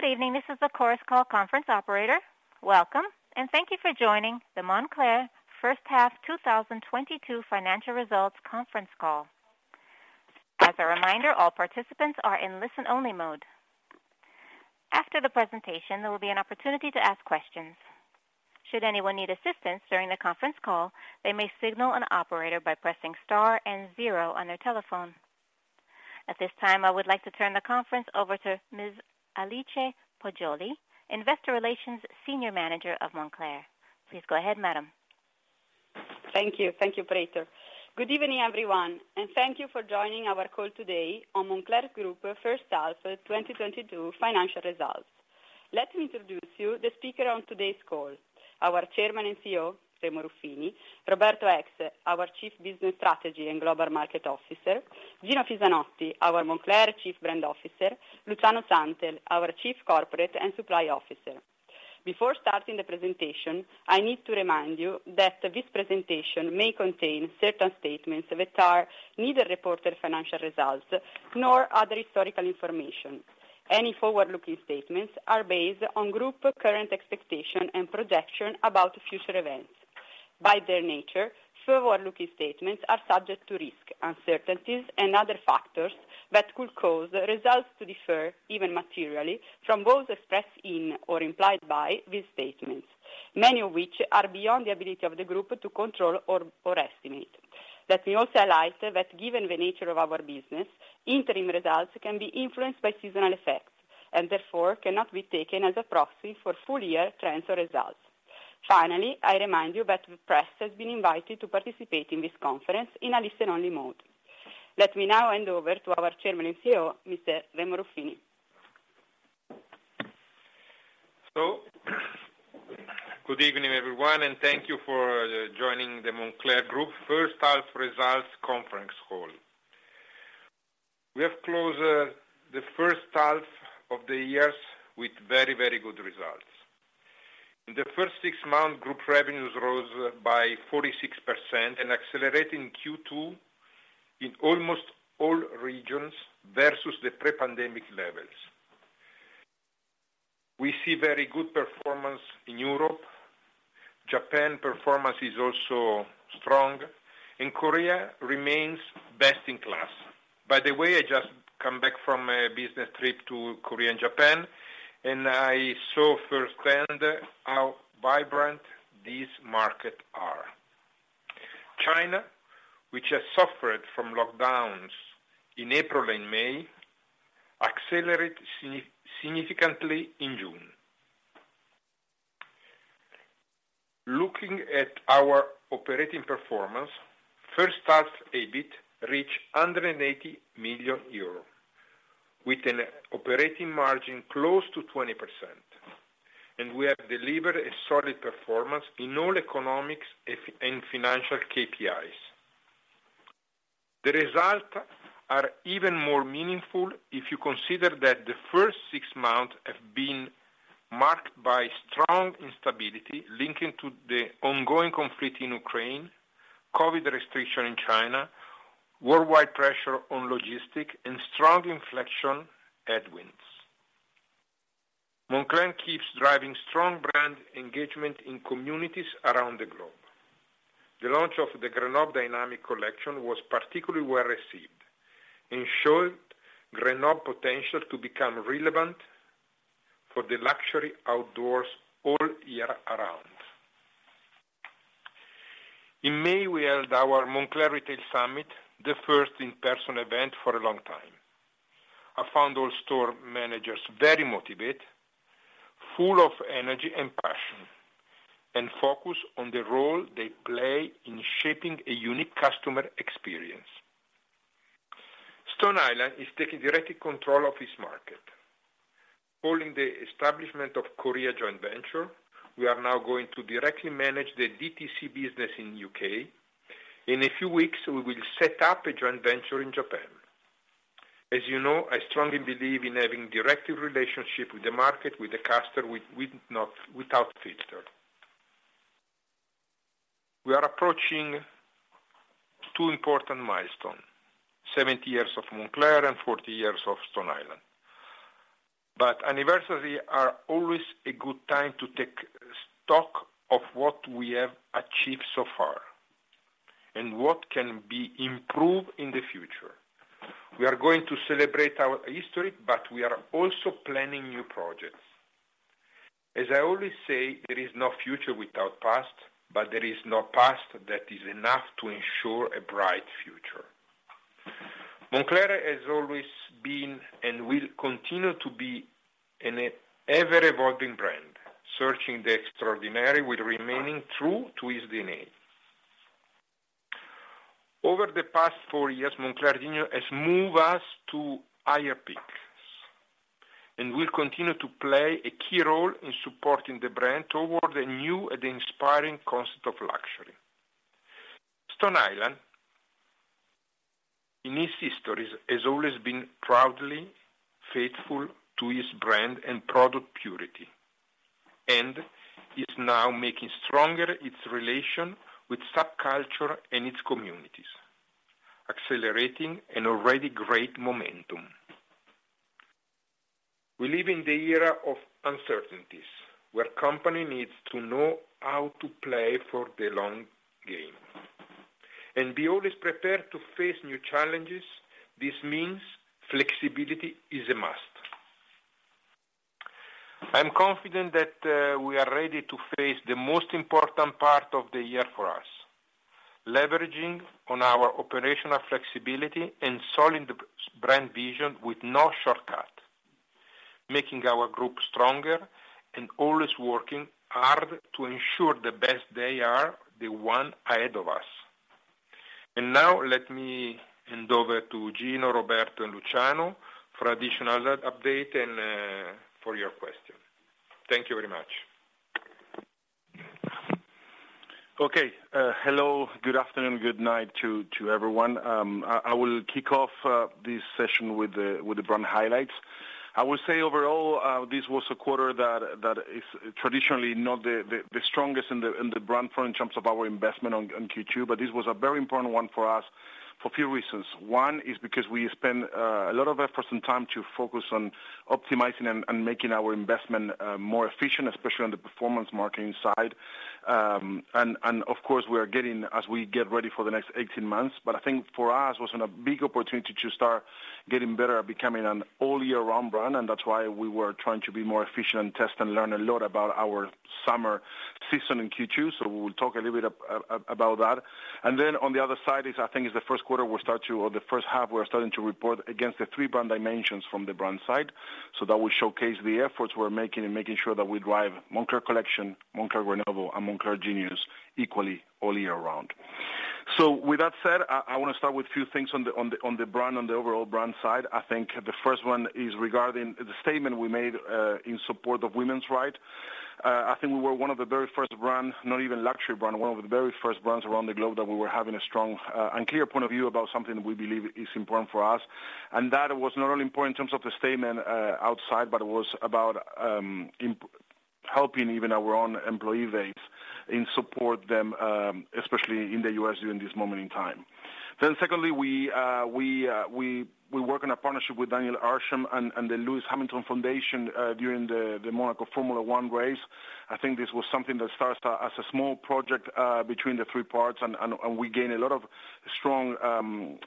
Good evening, this is the Chorus Call Conference Operator. Welcome, and thank you for joining the Moncler first half 2022 financial results conference call. As a reminder, all participants are in listen-only mode. After the presentation, there will be an opportunity to ask questions. Should anyone need assistance during the conference call, they may signal an operator by pressing star and zero on their telephone. At this time, I would like to turn the conference over to Ms. Alice Poggioli, Investor Relations Senior Manager of Moncler. Please go ahead, madam. Thank you. Thank you, operator. Good evening, everyone. Thank you for joining our call today on Moncler Group first half 2022 financial results. Let me introduce to you the speakers on today's call. Our Chairman and CEO, Remo Ruffini, Roberto Eggs, our Chief Business Strategy and Global Market Officer, Gino Fisanotti, our Chief Brand Officer, Luciano Santel, our Chief Corporate and Supply Officer. Before starting the presentation, I need to remind you that this presentation may contain certain statements that are neither reported financial results nor other historical information. Any forward-looking statements are based on Group's current expectations and projections about future events. By their nature, forward-looking statements are subject to risk, uncertainties and other factors that could cause results to differ materially from those expressed in or implied by these statements. Many of which are beyond the ability of the Group to control or estimate. Let me also highlight that, given the nature of our business, interim results can be influenced by seasonal effects and therefore cannot be taken as a proxy for full year trends or results. Finally, I remind you that the press has been invited to participate in this conference in a listen-only mode. Let me now hand over to our Chairman and CEO, Mr. Remo Ruffini. Good evening, everyone, and thank you for joining the Moncler Group first half results conference call. We have closed the first half of the year with very, very good results. In the first six months, group revenues rose by 46% and accelerated in Q2 in almost all regions versus the pre-pandemic levels. We see very good performance in Europe. Japan performance is also strong, and Korea remains best in class. By the way, I just came back from a business trip to Korea and Japan, and I saw firsthand how vibrant these markets are. China, which has suffered from lockdowns in April and May, accelerated significantly in June. Looking at our operating performance, first half EBIT reached 180 million euro with an operating margin close to 20%, and we have delivered a solid performance in all economic and financial KPIs. The results are even more meaningful if you consider that the first six months have been marked by strong instability linked to the ongoing conflict in Ukraine, COVID restrictions in China, worldwide pressure on logistics and strong inflation headwinds. Moncler keeps driving strong brand engagement in communities around the globe. The launch of the Grenoble dynamic collection was particularly well received and showed Grenoble potential to become relevant for the luxury outdoors all year-round. In May, we held our Moncler Retail Summit, the first in-person event for a long time. I found all store managers very motivated, full of energy and passion, and focused on the role they play in shaping a unique customer experience. Stone Island is taking direct control of its market. Following the establishment of Korean joint venture, we are now going to directly manage the DTC business in the U.K. In a few weeks, we will set up a joint venture in Japan. As you know, I strongly believe in having direct relationship with the market, with the customer without filter. We are approaching two important milestones, 70 years of Moncler and 40 years of Stone Island. Anniversaries are always a good time to take stock of what we have achieved so far and what can be improved in the future. We are going to celebrate our history, but we are also planning new projects. As I always say, there is no future without past, but there is no past that is enough to ensure a bright future. Moncler has always been and will continue to be an ever-evolving brand, searching the extraordinary while remaining true to its DNA. Over the past four years, Moncler Genius has moved us to higher peaks and will continue to play a key role in supporting the brand toward the new and inspiring concept of luxury. Stone Island, in its history, has always been proudly faithful to its brand and product [purity]. Is now making stronger its relation with subculture and its communities, accelerating an already great momentum. We live in the era of uncertainties, where company needs to know how to play for the long game and be always prepared to face new challenges. This means flexibility is a must. I'm confident that we are ready to face the most important part of the year for us, leveraging on our operational flexibility and solid brand vision with no shortcut, making our group stronger and always working hard to ensure the best they are, the one ahead of us. Now let me hand over to Gino, Roberto, and Luciano for additional update and for your question. Thank you very much. Okay. Hello, good afternoon, good night to everyone. I will kick off this session with the brand highlights. I will say overall, this was a quarter that is traditionally not the strongest in the brand front in terms of our investment on Q2, but this was a very important one for us for a few reasons. One is because we spend a lot of efforts and time to focus on optimizing and making our investment more efficient, especially on the performance marketing side. Of course, we are getting as we get ready for the next 18 months. I think for us was a big opportunity to start getting better at becoming an all year round brand, and that's why we were trying to be more efficient and test and learn a lot about our summer season in Q2. We will talk a little bit about that. Then on the other side, I think the first quarter we'll start to, or the first half we're starting to report against the three brand dimensions from the brand side. That will showcase the efforts we're making in making sure that we drive Moncler Collection, Moncler Grenoble and Moncler Genius equally all year round. With that said, I wanna start with a few things on the overall brand side. I think the first one is regarding the statement we made in support of women's rights. I think we were one of the very first brands, not even luxury brand, one of the very first brands around the globe that we were having a strong and clear point of view about something that we believe is important for us. That was not only important in terms of the statement outside, but it was about helping even our own employee base and support them, especially in the U.S. during this moment in time. Secondly, we work in a partnership with Daniel Arsham and the Lewis Hamilton Foundation during the Monaco Formula 1 race. I think this was something that starts as a small project between the three parts and we gain a lot of strong,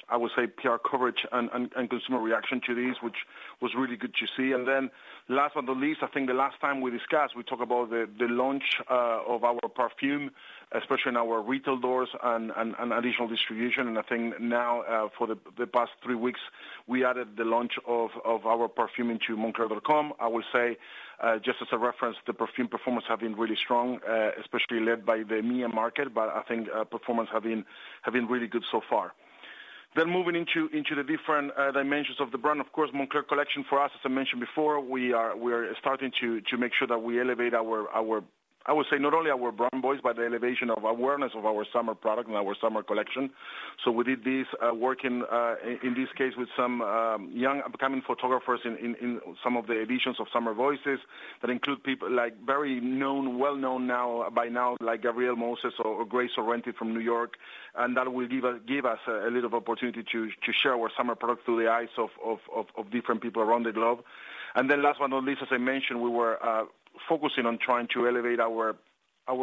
I would say PR coverage and consumer reaction to this, which was really good to see. Then last but not least, I think the last time we discussed, we talked about the launch of our perfume, especially in our retail stores and additional distribution. I think now for the past three weeks, we added the launch of our perfume into moncler.com. I will say just as a reference, the perfume performance have been really strong especially led by the EMEA market, but I think performance have been really good so far. Moving into the different dimensions of the brand, of course, Moncler Collection for us, as I mentioned before, we are starting to make sure that we elevate our, I would say not only our brand voice, but the elevation of awareness of our summer product and our summer collection. We did this working in this case with some young upcoming photographers in some of the editions of Summer Voices that include people like very known, well known now, by now, like Gabriel Moses or Grace Ahlbom from New York. That will give us a little opportunity to share our summer products through the eyes of different people around the globe. Last but not least, as I mentioned, we were focusing on trying to elevate our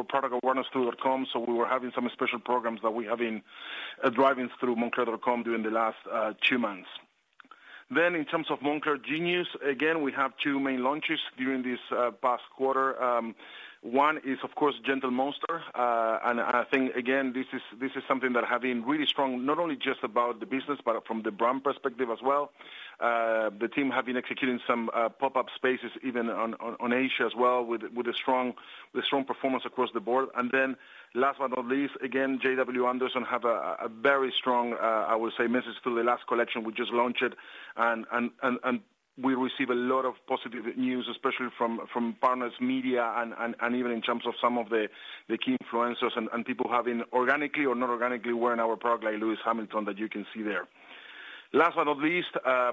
product awareness through .com, so we were having some special programs that we have been driving through moncler.com during the last two months. In terms of Moncler Genius, again, we have two main launches during this past quarter. One is of course Gentle Monster. And I think again, this is something that have been really strong, not only just about the business, but from the brand perspective as well. The team have been executing some pop-up spaces even on Asia as well with a strong performance across the board. Last but not least, again, JW Anderson have a very strong, I would say message through the last collection. We just launched it and we receive a lot of positive news, especially from partners, media and even in terms of some of the key influencers and people having organically or not organically wearing our product like Lewis Hamilton that you can see there. Last but not least, I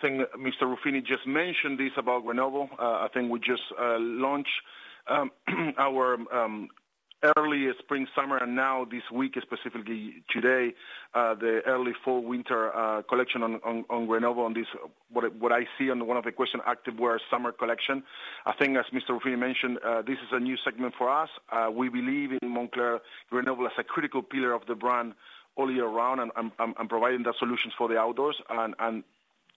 think Mr. Ruffini just mentioned this about Grenoble. I think we just launched our early spring summer and now this week, specifically today, the early fall winter collection on Grenoble. On this, what I see on one of the questions, active wear summer collection. I think as Mr. Ruffini mentioned, this is a new segment for us. We believe in Moncler Grenoble as a critical pillar of the brand all year round and providing the solutions for the outdoors and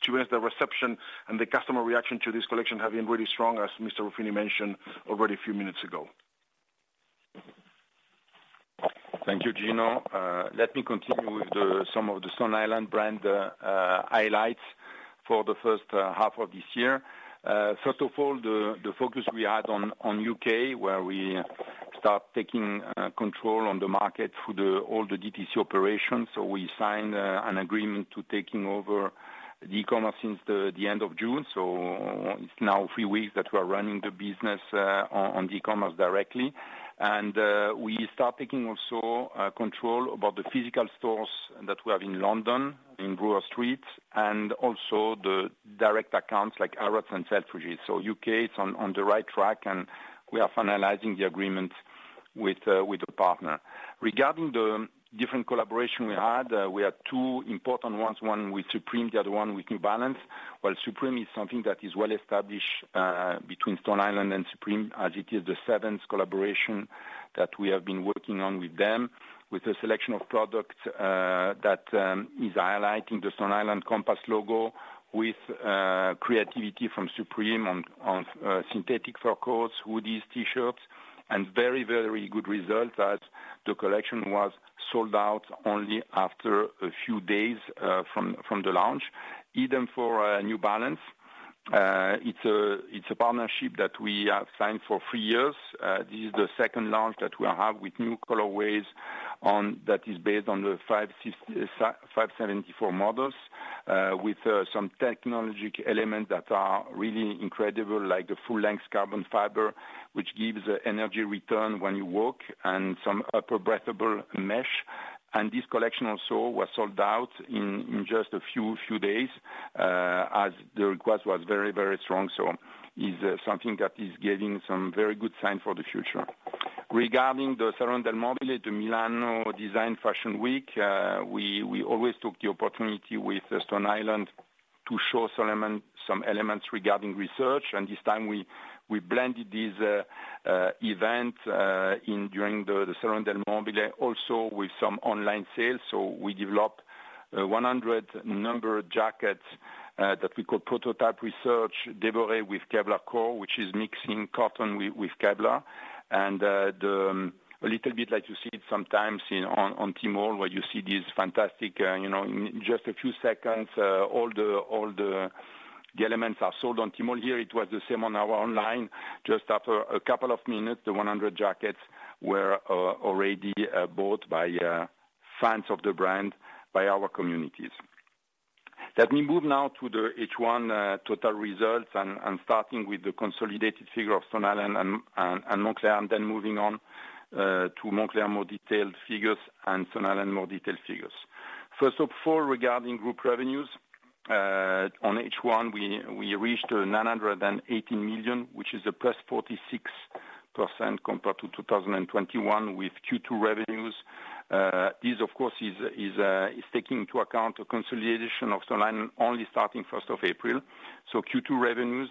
to us, the reception and the customer reaction to this collection have been really strong, as Mr. Ruffini mentioned already a few minutes ago. Thank you, Gino. Let me continue with some of the Stone Island brand highlights for the first half of this year. First of all, the focus we had on U.K., where we start taking control on the market through all the DTC operations. We signed an agreement to taking over the e-commerce since the end of June. It's now three weeks that we're running the business on e-commerce directly. We start taking also control about the physical stores that we have in London, in Brewer Street, and also the direct accounts like Harrods and Selfridges. U.K. it's on the right track, and we are finalizing the agreement with a partner. Regarding the different collaboration we had, we had two important ones. One with Supreme, the other one with New Balance. While Supreme is something that is well established between Stone Island and Supreme, as it is the seventh collaboration that we have been working on with them, with a selection of products that is highlighting the Stone Island compass logo with creativity from Supreme on synthetic fur coats, hoodies, T-shirts and very, very good results that the collection was sold out only after a few days from the launch. Even for New Balance. It's a partnership that we have signed for three years. This is the second launch that we'll have with new colorways on that is based on the 574 models with some technology elements that are really incredible, like the full length carbon fiber, which gives energy return when you walk and some upper breathable mesh. This collection also was sold out in just a few days as the request was very, very strong. It is something that is giving some very good signs for the future. Regarding the Salone del Mobile Milano Design Fashion Week, we always took the opportunity with Stone Island to show some elements regarding research. This time we blended this event during the Salone del Mobile also with some online sales. We developed 100 number of jackets that we call prototype research developed with Kevlar core, which is mixing cotton with Kevlar. A little bit like you see it sometimes on Tmall, where you see these fantastic, you know, just a few seconds, all the elements are sold on Tmall. Here it was the same on our online. Just after a couple of minutes the 100 jackets were already bought by fans of the brand, by our communities. Let me move now to the H1 total results and starting with the consolidated figure of Stone Island and Moncler, and then moving on to Moncler more detailed figures and Stone Island more detailed figures. First up, regarding group revenues on H1, we reached 980 million, which is +46% compared to 2021 with Q2 revenues. This of course is taking into account the consolidation of Stone Island only starting first of April. Q2 revenues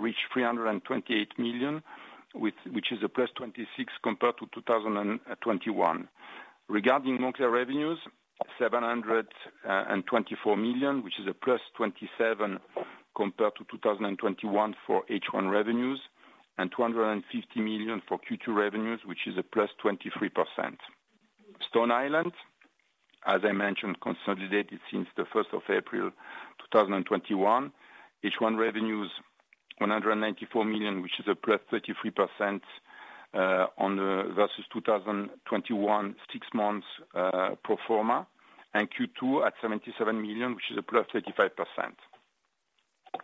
reached 328 million, which is +26% compared to 2021. Regarding Moncler revenues, 724 million, which is +27% compared to 2021 for H1 revenues and 250 million for Q2 revenues, which is +23%. Stone Island, as I mentioned, consolidated since the first of April 2021. H1 revenues 194 million, which is a +33%, versus 2021 six months pro forma and Q2 at 77 million, which is a +35%.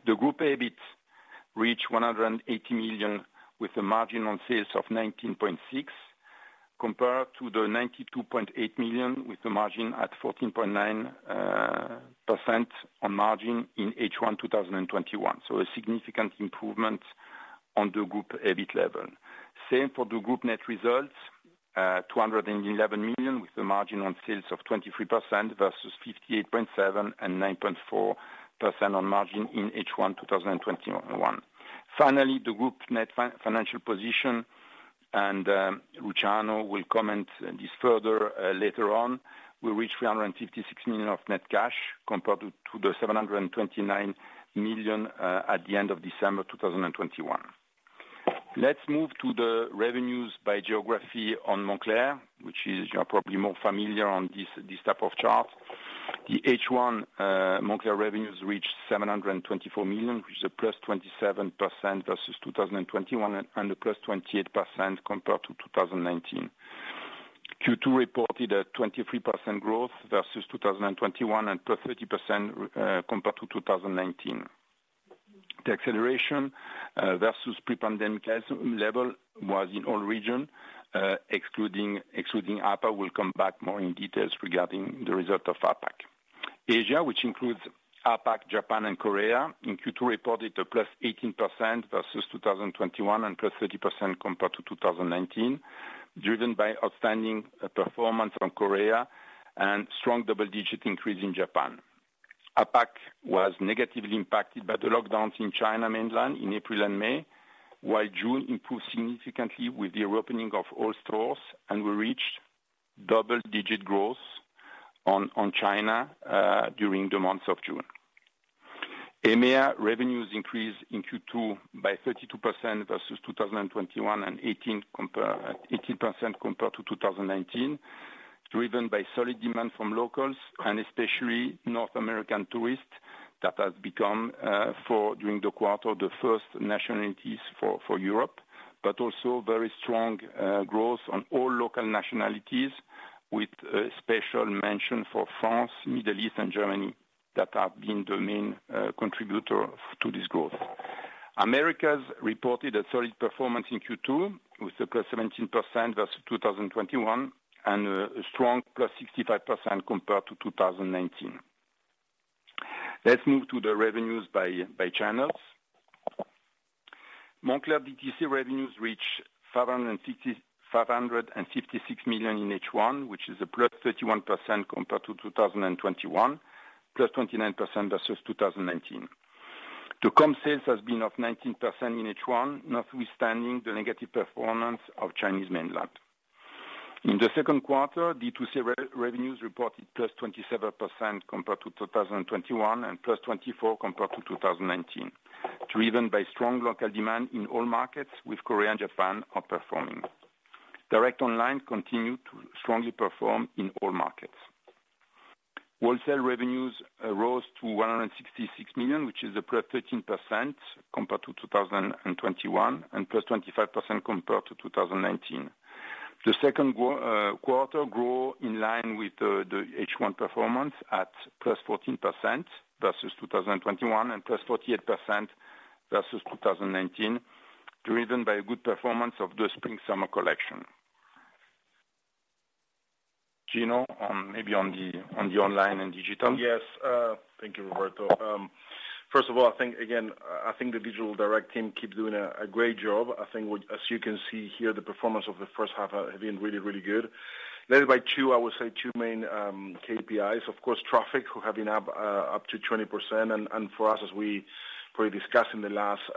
The group EBIT reached 180 million, with a margin on sales of 19.6%, compared to the 92.8 million, with the margin at 14.9% on margin in H1 2021. A significant improvement on the group EBIT level. Same for the group net results, 211 million with the margin on sales of 23% versus 58.7 million and 9.4% on margin in H1 2021. Finally, the group net financial position, and Luciano will comment on this further later on. We reached 356 million of net cash compared to 729 million at the end of December 2021. Let's move to the revenues by geography on Moncler, which is, you are probably more familiar on this type of chart. The H1 Moncler revenues reached 724 million, which is +27% versus 2021 and +28% compared to 2019. Q2 reported 23% growth versus 2021 and +30% compared to 2019. The acceleration versus pre-pandemic levels was in all regions excluding APAC. We'll come back more in details regarding the result of APAC. Asia, which includes APAC, Japan and Korea in Q2, reported +18% versus 2021 and +30% compared to 2019, driven by outstanding performance from Korea and strong double-digit increase in Japan. APAC was negatively impacted by the lockdowns in mainland China in April and May, while June improved significantly with the reopening of all stores, and we reached double-digit growth on China during the month of June. EMEA revenues increased in Q2 by 32% versus 2021 and 18% compared to 2019, driven by solid demand from locals and especially North American tourists. That has become for during the quarter the first nationalities for Europe, but also very strong growth on all local nationalities with a special mention for France, Middle East and Germany that have been the main contributor to this growth. Americas reported a solid performance in Q2 with a +17% versus 2021 and a strong +65% compared to 2019. Let's move to the revenues by channels. Moncler DTC revenues reach 556 million in H1, which is a +31% compared to 2021, +29% versus 2019. The .com sales has been up 19% in H1, notwithstanding the negative performance of Chinese mainland. In the second quarter, D2C revenues reported +27% compared to 2021, and +24% compared to 2019, driven by strong local demand in all markets, with Korea and Japan outperforming. Direct online continued to strongly perform in all markets. Wholesale revenues rose to 166 million, which is +13% compared to 2021, and +25% compared to 2019. The second quarter grew in line with the H1 performance at +14% versus 2021, and +48% versus 2019, driven by a good performance of the spring/summer collection. Gino, maybe on the online and digital? Yes. Thank you, Roberto. First of all, I think again the digital direct team keep doing a great job. I think as you can see here, the performance of the first half have been really good, led by two, I would say, two main KPIs. Of course, traffic, who have been up to 20%. For us, as we probably discussed in the last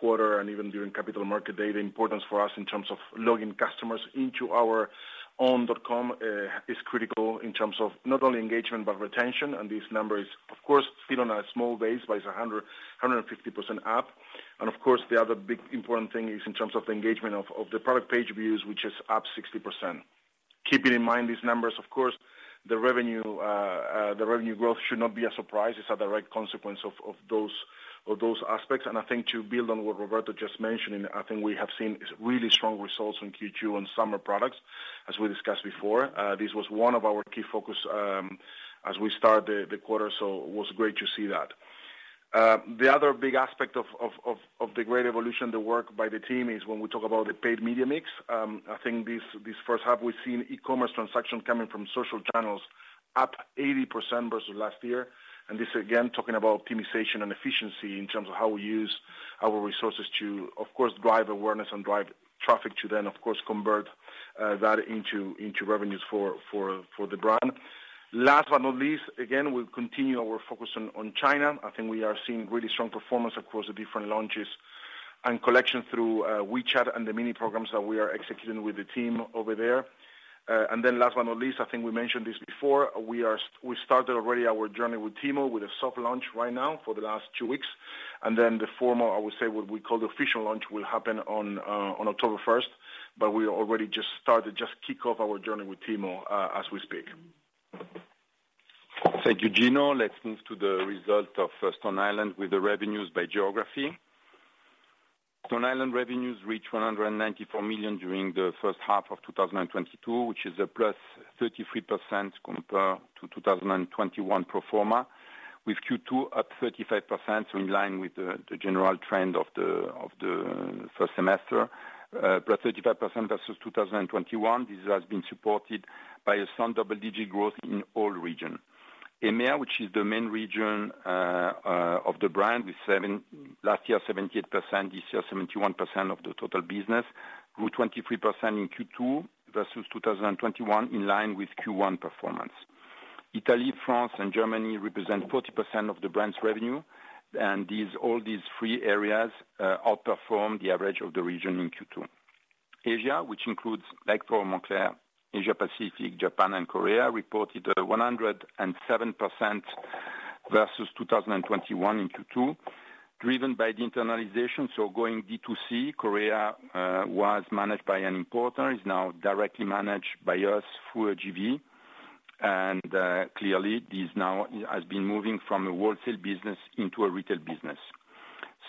quarter and even during capital market day, the importance for us in terms of logging customers into our own .com is critical in terms of not only engagement, but retention. This number is, of course, still on a small base, but it's 150% up. Of course, the other big important thing is in terms of engagement of the product page views, which is up 60%. Keeping in mind these numbers, of course, the revenue growth should not be a surprise. It's a direct consequence of those aspects. I think to build on what Roberto just mentioned, and I think we have seen so really strong results on Q2 on summer products. As we discussed before, this was one of our key focus as we start the quarter, so it was great to see that. The other big aspect of the great evolution, the work by the team is when we talk about the paid media mix. I think this first half we've seen e-commerce transaction coming from social channels up 80% versus last year. This, again, talking about optimization and efficiency in terms of how we use our resources to, of course, drive awareness and drive traffic to then, of course, convert that into revenues for the brand. Last but not least, again, we'll continue our focus on China. I think we are seeing really strong performance across the different launches and collection through WeChat and the mini programs that we are executing with the team over there. Last but not least, I think we mentioned this before, we started already our journey with Tmall, with a soft launch right now for the last two weeks. The formal, I would say, what we call the official launch will happen on October first, but we already just started, just kick off our journey with TMall as we speak. Thank you, Gino. Let's move to the results of Stone Island with the revenues by geography. Stone Island revenues reached 194 million during the first half of 2022, which is +33% compared to 2021 pro forma, with Q2 up 35%, in line with the general trend of the first semester. +35% versus 2021. This has been supported by sound double-digit growth in all regions. EMEA, which is the main region of the brand with last year [71]% this year of the total business, grew 23% in Q2 versus 2021, in line with Q1 performance. Italy, France, and Germany represent 40% of the brand's revenue, and these, all these three areas, outperform the average of the region in Q2. Asia, which includes, like for Moncler, Asia Pacific, Japan and Korea, reported 107% versus 2021 in Q2, driven by the internalization, so going D2C. Korea was managed by an importer, is now directly managed by us through a JV. Clearly this now has been moving from a wholesale business into a retail business.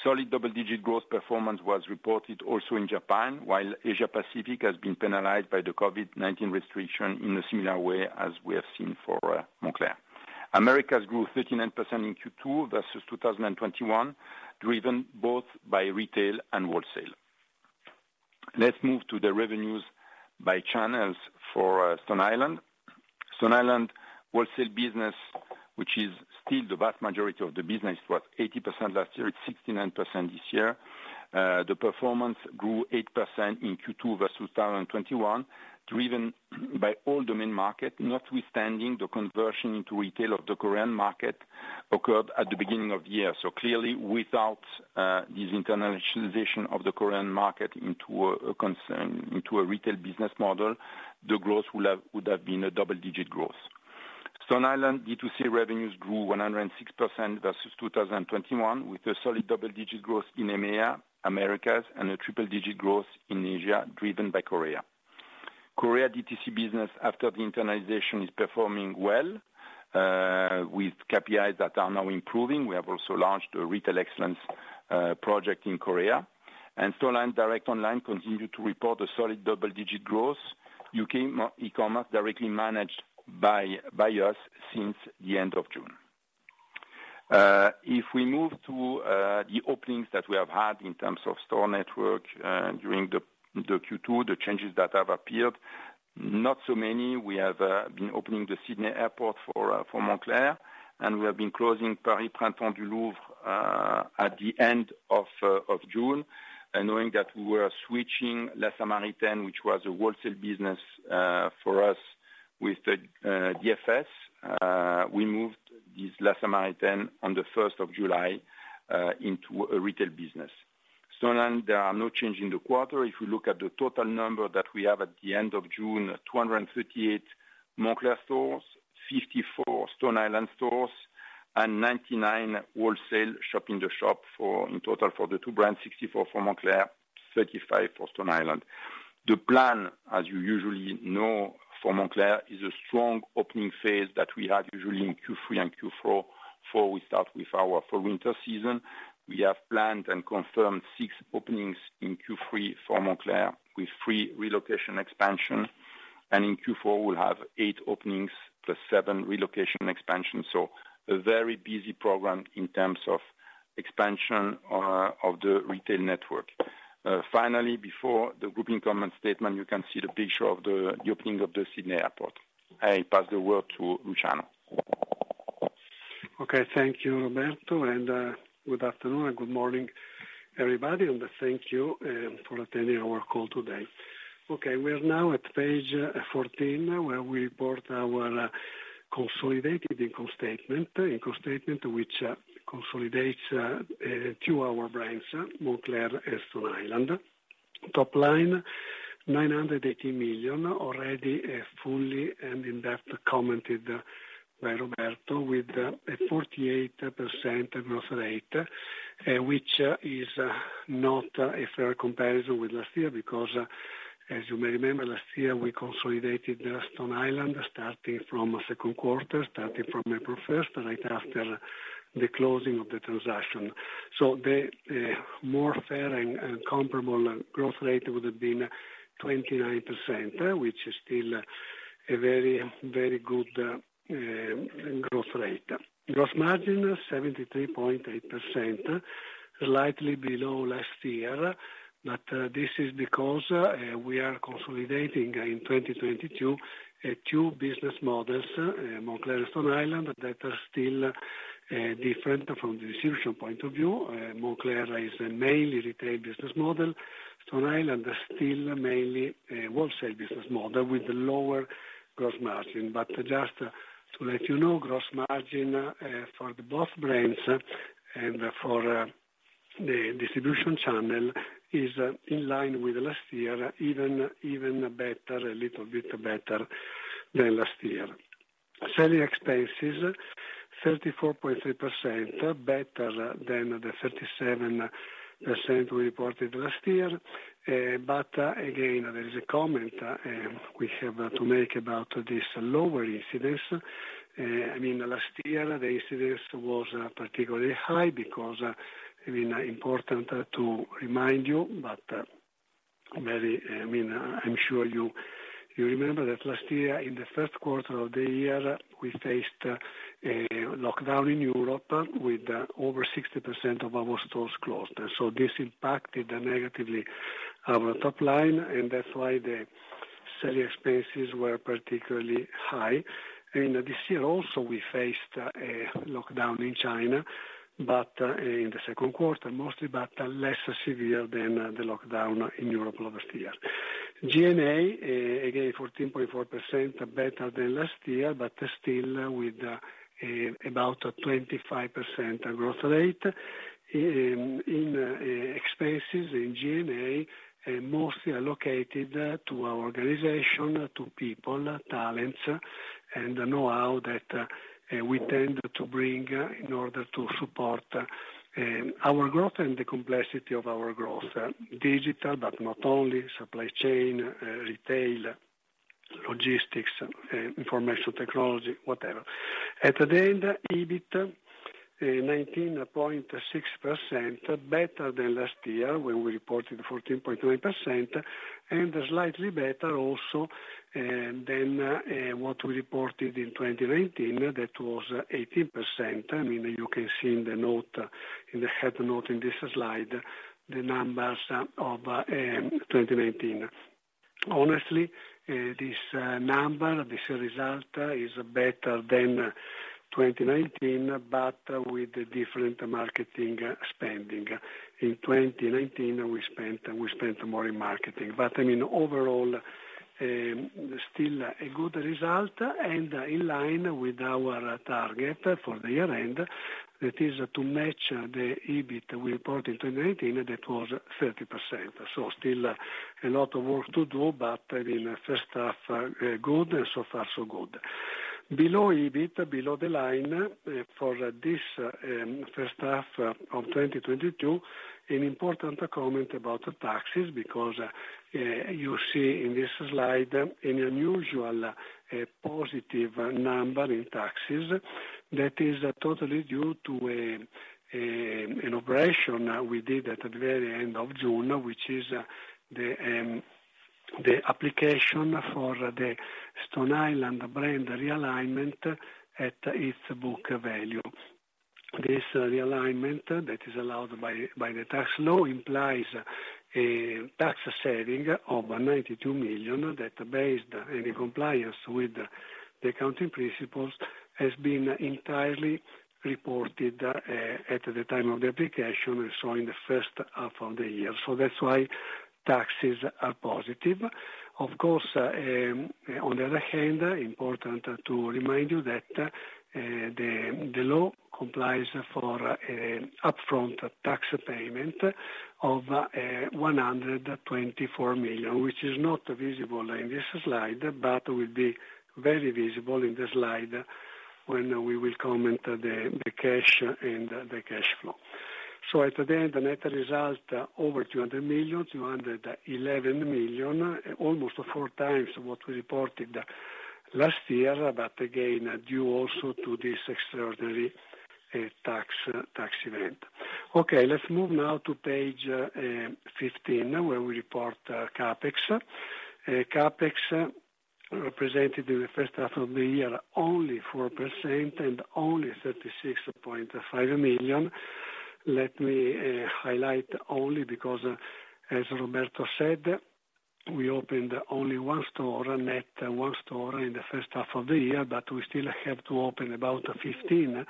Solid double-digit growth performance was reported also in Japan, while Asia Pacific has been penalized by the COVID-19 restriction in a similar way as we have seen for Moncler. Americas grew 39% in Q2 versus 2021, driven both by retail and wholesale. Let's move to the revenues by channels for Stone Island. Stone Island wholesale business, which is still the vast majority of the business, it was 80% last year, it's 69% this year. The performance grew 8% in Q2 of 2021, driven by all the main market, notwithstanding the conversion into retail of the Korean market occurred at the beginning of the year. Clearly without this internalization of the Korean market into a retail business model, the growth would have been a double-digit growth. Stone Island D2C revenues grew 106% versus 2021, with a solid double-digit growth in EMEA, Americas, and a triple-digit growth in Asia, driven by Korea. Korea DTC business after the internalization is performing well, with KPIs that are now improving. We have also launched a retail excellence project in Korea. Stone Island direct online continued to report a solid double-digit growth. U.K. e-commerce directly managed by us since the end of June. If we move to the openings that we have had in terms of store network during the Q2, the changes that have appeared. Not so many. We have been opening the Sydney Airport for Moncler, and we have been closing Paris Printemps du Louvre at the end of June. Knowing that we were switching La Samaritaine, which was a wholesale business for us with the DFS, we moved this La Samaritaine on the 1st of July into a retail business. Stone Island, there are no change in the quarter. If you look at the total number that we have at the end of June, 238 Moncler stores, 54 Stone Island stores and 99 wholesale shop-in-the-shop for, in total for the two brands, 64 for Moncler, 35 for Stone Island. The plan, as you usually know for Moncler, is a strong opening phase that we have usually in Q3 and Q4. Before we start with our fall/winter season, we have planned and confirmed six openings in Q3 for Moncler with three relocation expansion. In Q4 we'll have eight openings plus seven relocation expansion. A very busy program in terms of expansion, of the retail network. Finally, before the Group income statement, you can see the picture of the opening of the Sydney Airport. I pass the work to Luciano. Okay, thank you Roberto, and good afternoon and good morning, everybody, and thank you for attending our call today. Okay, we are now at page 14, where we report our consolidated income statement which consolidates our two brands, Moncler and Stone Island. Top line, 918 million already fully and in-depth commented by Roberto with a 48% growth rate, which is not a fair comparison with last year because, as you may remember, last year we consolidated Stone Island starting from second quarter, starting from April 1st, right after the closing of the transaction. The more fair and comparable growth rate would have been 29%, which is still a very good growth rate. Gross margin 73.8%, slightly below last year. This is because we are consolidating in 2022, two business models, Moncler and Stone Island, that are still different from the distribution point of view. Moncler is a mainly retail business model. Stone Island is still mainly a wholesale business model with lower gross margin. Just to let you know, gross margin for both brands and for the distribution channel is in line with last year, even better, a little bit better than last year. Selling expenses, 34.3% better than the 37% we reported last year. Again, there is a comment we have to make about this lower incidence. I mean, last year the incidence was particularly high because, I mean, important to remind you, but maybe, I mean, I'm sure you remember that last year, in the first quarter of the year, we faced a lockdown in Europe with over 60% of our stores closed. This impacted negatively our top line, and that's why the selling expenses were particularly high. This year also we faced a lockdown in China, but in the second quarter mostly, but less severe than the lockdown in Europe last year. G&A, again, 14.4% better than last year, but still with about 25% growth rate. Expenses in G&A are mostly allocated to our organization, to people, talents, and the know-how that we tend to bring in order to support our growth and the complexity of our growth. Digital, but not only, supply chain, retail, logistics, information technology, whatever. At the end, EBIT 19.6% better than last year when we reported 14.[9]% and slightly better also than what we reported in 2019. That was 18%. I mean, you can see in the note, in the head note in this slide, the numbers of 2019. Honestly, this number, this result is better than 2019 but with different marketing spending. In 2019 we spent more in marketing, but I mean overall, still a good result and in line with our target for the year end. That is to match the EBIT we report in 2019. That was 30%. Still a lot of work to do, but I mean first half, good. So far, so good. Below EBIT, below the line for this first half of 2022, an important comment about the taxes because you see in this slide an unusual positive number in taxes that is totally due to an operation we did at the very end of June, which is the application for the Stone Island brand realignment at its book value. This realignment that is allowed by the tax law implies a tax saving of 92 million that, based in the compliance with the accounting principles, has been entirely reported at the time of the application, and so in the first half of the year. That's why taxes are positive. Of course, on the other hand, important to remind you that the law complies for an upfront tax payment of 124 million, which is not visible in this slide, but will be very visible in the slide when we will comment the cash and the cash flow. At the end, the net result over 200 million, 211 million, almost 4x what we reported last year, but again, due also to this extraordinary tax event. Let's move now to page 15 where we report CapEx. CapEx represented in the first half of the year only 4% and only 36.5 million. Let me highlight only because as Roberto said, we opened only one store, net one store in the first half of the year, but we still have to open about 15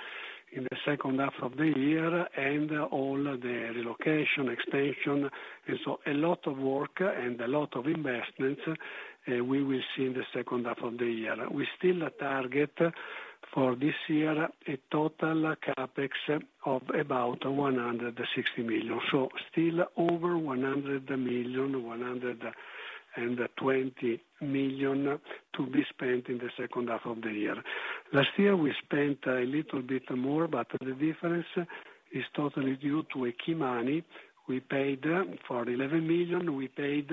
in the second half of the year and all the relocation, expansion. A lot of work and a lot of investments, we will see in the second half of the year. We still target for this year a total CapEx of about 160 million. Still over 100 million, 120 million to be spent in the second half of the year. Last year, we spent a little bit more, but the difference is totally due to a key money we paid for 11 million. We paid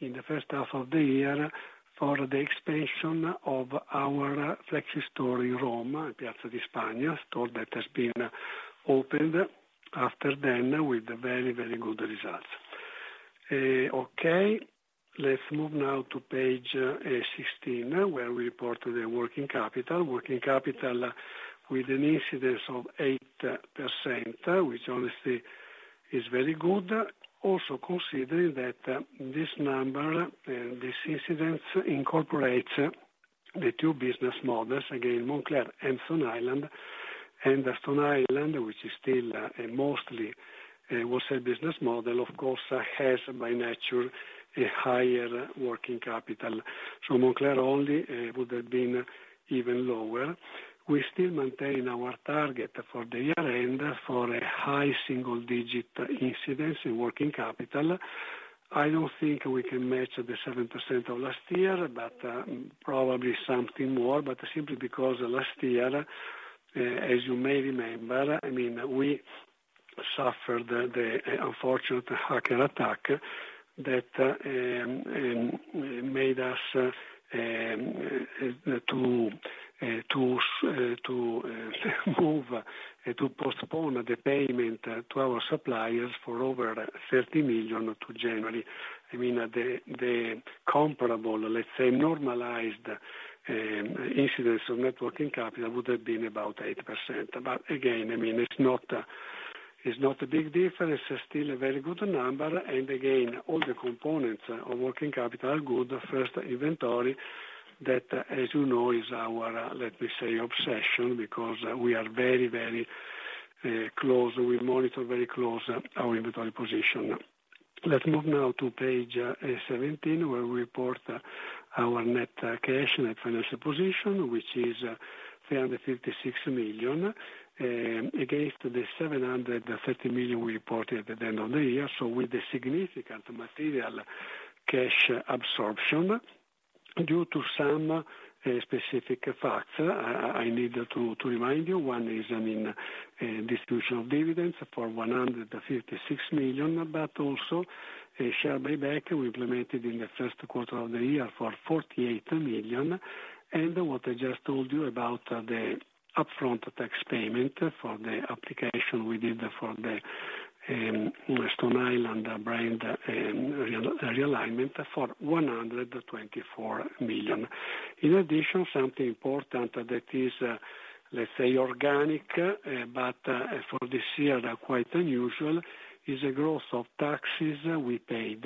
in the first half of the year for the expansion of our flagship store in Rome, Piazza di Spagna, store that has been opened after then with very, very good results. Let's move now to page 16, where we report the working capital. Working capital with an incidence of 8%, which honestly is very good. Also considering that this number, this incidence incorporates the two business models, again, Moncler and Stone Island. Stone Island, which is still mostly a wholesale business model, of course, has by nature a higher working capital. Moncler only would have been even lower. We still maintain our target for the year-end for a high single-digit incidence in working capital. I don't think we can match the 7% of last year, but probably something more. Simply because last year, as you may remember, I mean, we suffered the unfortunate hacker attack that made us to postpone the payment to our suppliers for over 30 million to January. I mean, the comparable, let's say, normalized incidence of net working capital would have been about 8%. Again, I mean, it's not a big difference. It's still a very good number. Again, all the components of working capital are good. First, inventory that, as you know, is our, let me say, obsession, because we are very, very close— We monitor very close our inventory position. Let's move now to page 17, where we report our net cash and financial position, which is 356 million against the 730 million we reported at the end of the year. With the significant material cash absorption due to some specific facts, I need to remind you, one is, I mean, distribution of dividends for 156 million, but also a share buyback we implemented in the first quarter of the year for 48 million. What I just told you about the upfront tax payment for the application we did for the Stone Island brand realignment for 124 million. In addition, something important that is, let's say, organic, but for this year, quite unusual, is a growth of taxes we paid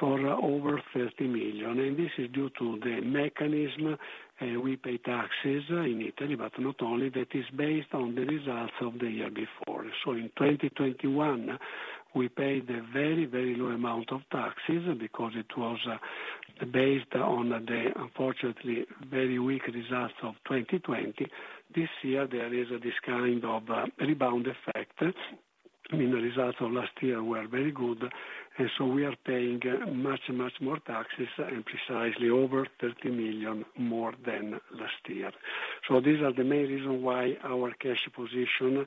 for over 30 million. This is due to the mechanism, we pay taxes in Italy, but not only that is based on the results of the year before. In 2021, we paid a very, very low amount of taxes because it was based on the unfortunately very weak results of 2020. This year there is this kind of rebound effect. I mean, the results of last year were very good, and so we are paying much, much more taxes and precisely over 30 million more than last year. These are the main reason why our cash position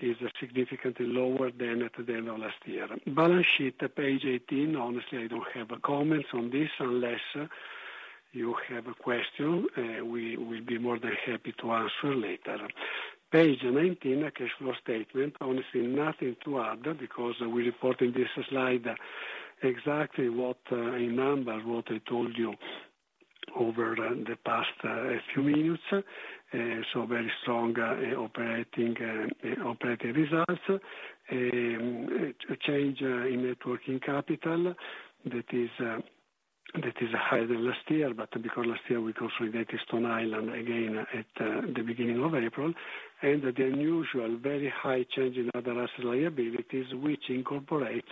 is significantly lower than at the end of last year. Balance sheet, page 18. Honestly, I don't have comments on this unless you have a question, we'll be more than happy to answer later. Page 19, a cash flow statement. Honestly, nothing to add because we report in this slide exactly what, in numbers, what I told you over the past few minutes, so very strong operating results. A change in net working capital that is higher than last year, but because last year we consolidate Stone Island again at the beginning of April, and the unusual, very high change in other asset liabilities, which incorporates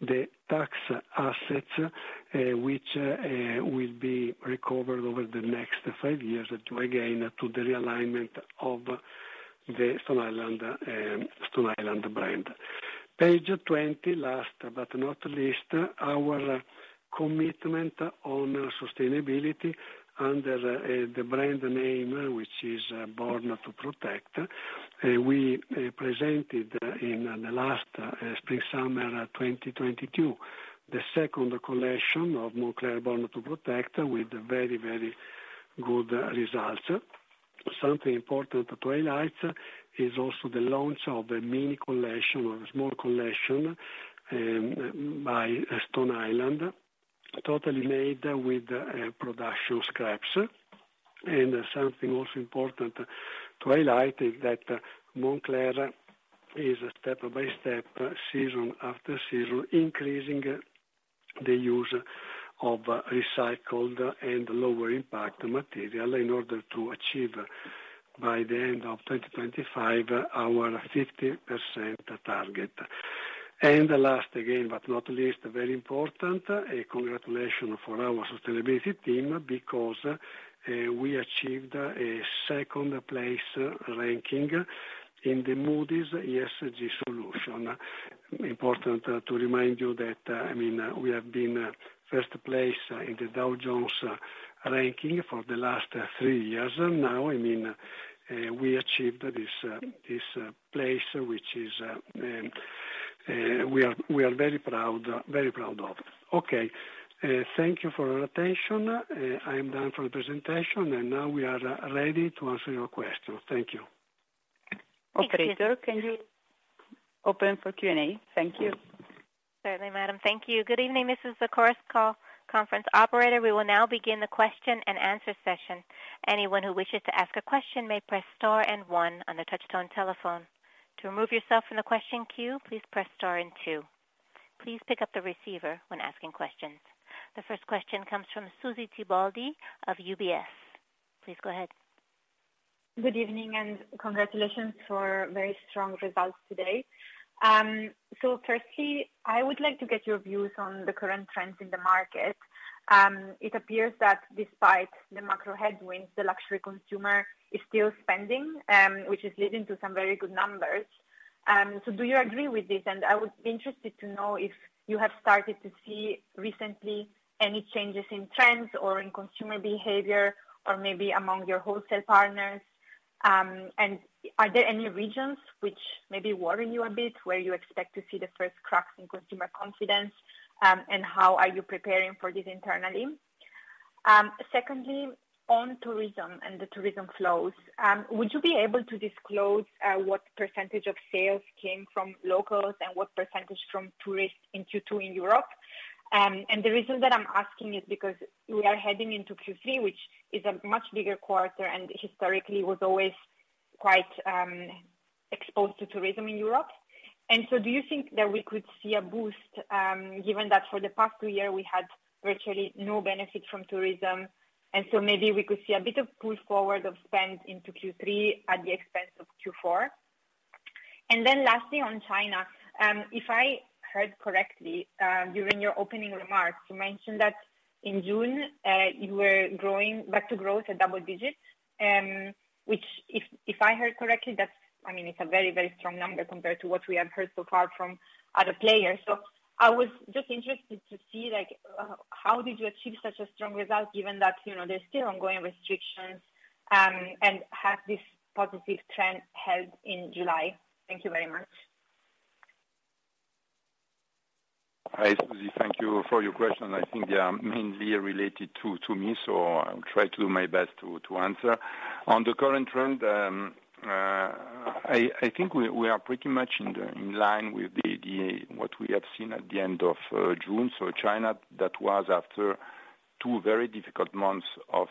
the tax assets, which will be recovered over the next five years due again to the realignment of the Stone Island brand. Page 20. Last but not least, our commitment on sustainability under the brand name, which is Born to Protect. We presented in the last spring/summer 2022, the second collection of Moncler Born to Protect with very good results. Something important to highlight is also the launch of a mini collection or small collection by Stone Island, totally made with production scraps. Something also important to highlight is that Moncler is step-by-step, season-after-season, increasing the use of recycled and lower-impact material in order to achieve by the end of 2025 our 50% target. Last again, but not least, very important, a congratulation for our sustainability team because we achieved a second place ranking in the Moody's ESG Solutions. Important to remind you that, I mean, we have been first place in the Dow Jones ranking for the last three years, and now, I mean, we achieved this this place which is we are very proud of. Okay, thank you for your attention. I am done for the presentation, and now we are ready to answer your questions. Thank you. Operator, can you open for Q&A? Thank you. Certainly, madam. Thank you. Good evening, this is the Chorus Call conference operator. We will now begin the question-and-answer session. Anyone who wishes to ask a question may press star and one on the touch-tone telephone. To remove yourself from the question queue, please press star and two. Please pick up the receiver when asking questions. The first question comes from Susy Tibaldi of UBS. Please go ahead. Good evening and congratulations for very strong results today. Firstly, I would like to get your views on the current trends in the market. It appears that despite the macro headwinds, the luxury consumer is still spending, which is leading to some very good numbers. Do you agree with this? I would be interested to know if you have started to see recently any changes in trends or in consumer behavior or maybe among your wholesale partners. Are there any regions which maybe worry you a bit, where you expect to see the first cracks in consumer confidence? How are you preparing for this internally? Secondly, on tourism and the tourism flows, would you be able to disclose what percentage of sales came from locals and what percentage from tourists in Q2 in Europe? The reason that I'm asking is because we are heading into Q3, which is a much bigger quarter and historically was always quite exposed to tourism in Europe. Do you think that we could see a boost, given that for the past two year we had virtually no benefit from tourism, and so maybe we could see a bit of push forward of spend into Q3 at the expense of Q4? Lastly, on China, if I heard correctly, during your opening remarks, you mentioned that in June, you were growing back to growth at double digits. Which if I heard correctly, that's, I mean, it's a very, very strong number compared to what we have heard so far from other players. I was just interested to see, like, how did you achieve such a strong result given that, you know, there's still ongoing restrictions, and have this positive trend held in July? Thank you very much. Hi, Susy. Thank you for your question. I think they are mainly related to me, so I'll try to do my best to answer. On the current trend, I think we are pretty much in line with what we have seen at the end of June. China, that was after two very difficult months of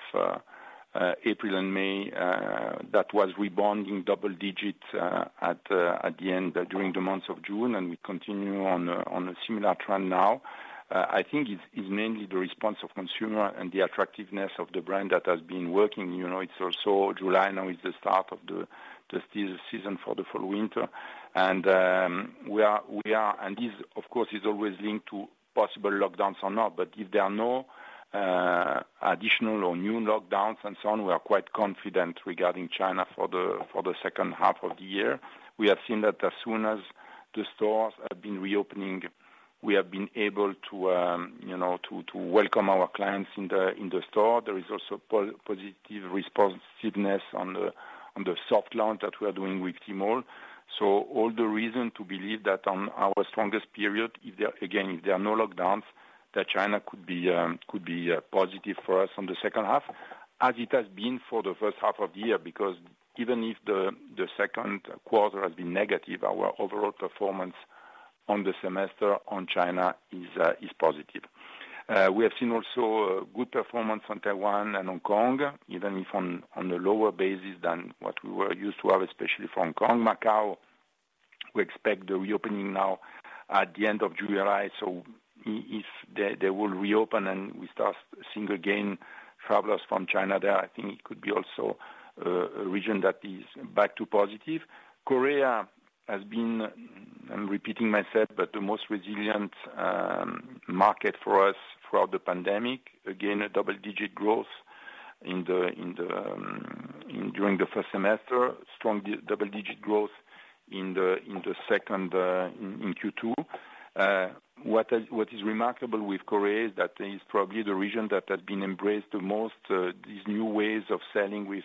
April and May, that was rebounding double digits at the end during the month of June, and we continue on a similar trend now. I think it's mainly the response of consumer and the attractiveness of the brand that has been working. You know, it's also July now is the start of the sell season for the fall, winter. This of course is always linked to possible lockdowns or not. If there are no additional or new lockdowns and so on, we are quite confident regarding China for the second half of the year. We have seen that as soon as the stores have been reopening, we have been able to you know to welcome our clients in the store. There is also positive responsiveness on the soft launch that we are doing with Tmall. All the reason to believe that on our strongest period, if there again if there are no lockdowns, that China could be positive for us on the second half as it has been for the first half of the year. Because even if the second quarter has been negative, our overall performance on the semester in China is positive. We have seen also good performance in Taiwan and Hong Kong, even if on the lower basis than what we were used to have, especially from Hong Kong. Macau, we expect the reopening now at the end of July. If they will reopen and we start seeing again travelers from China there, I think it could be also a region that is back to positive. Korea has been, I'm repeating myself, but the most resilient market for us throughout the pandemic. Again, a double-digit growth during the first semester. Strong double-digit growth in Q2. What is remarkable with Korea is that it's probably the region that has been embraced the most, these new ways of selling with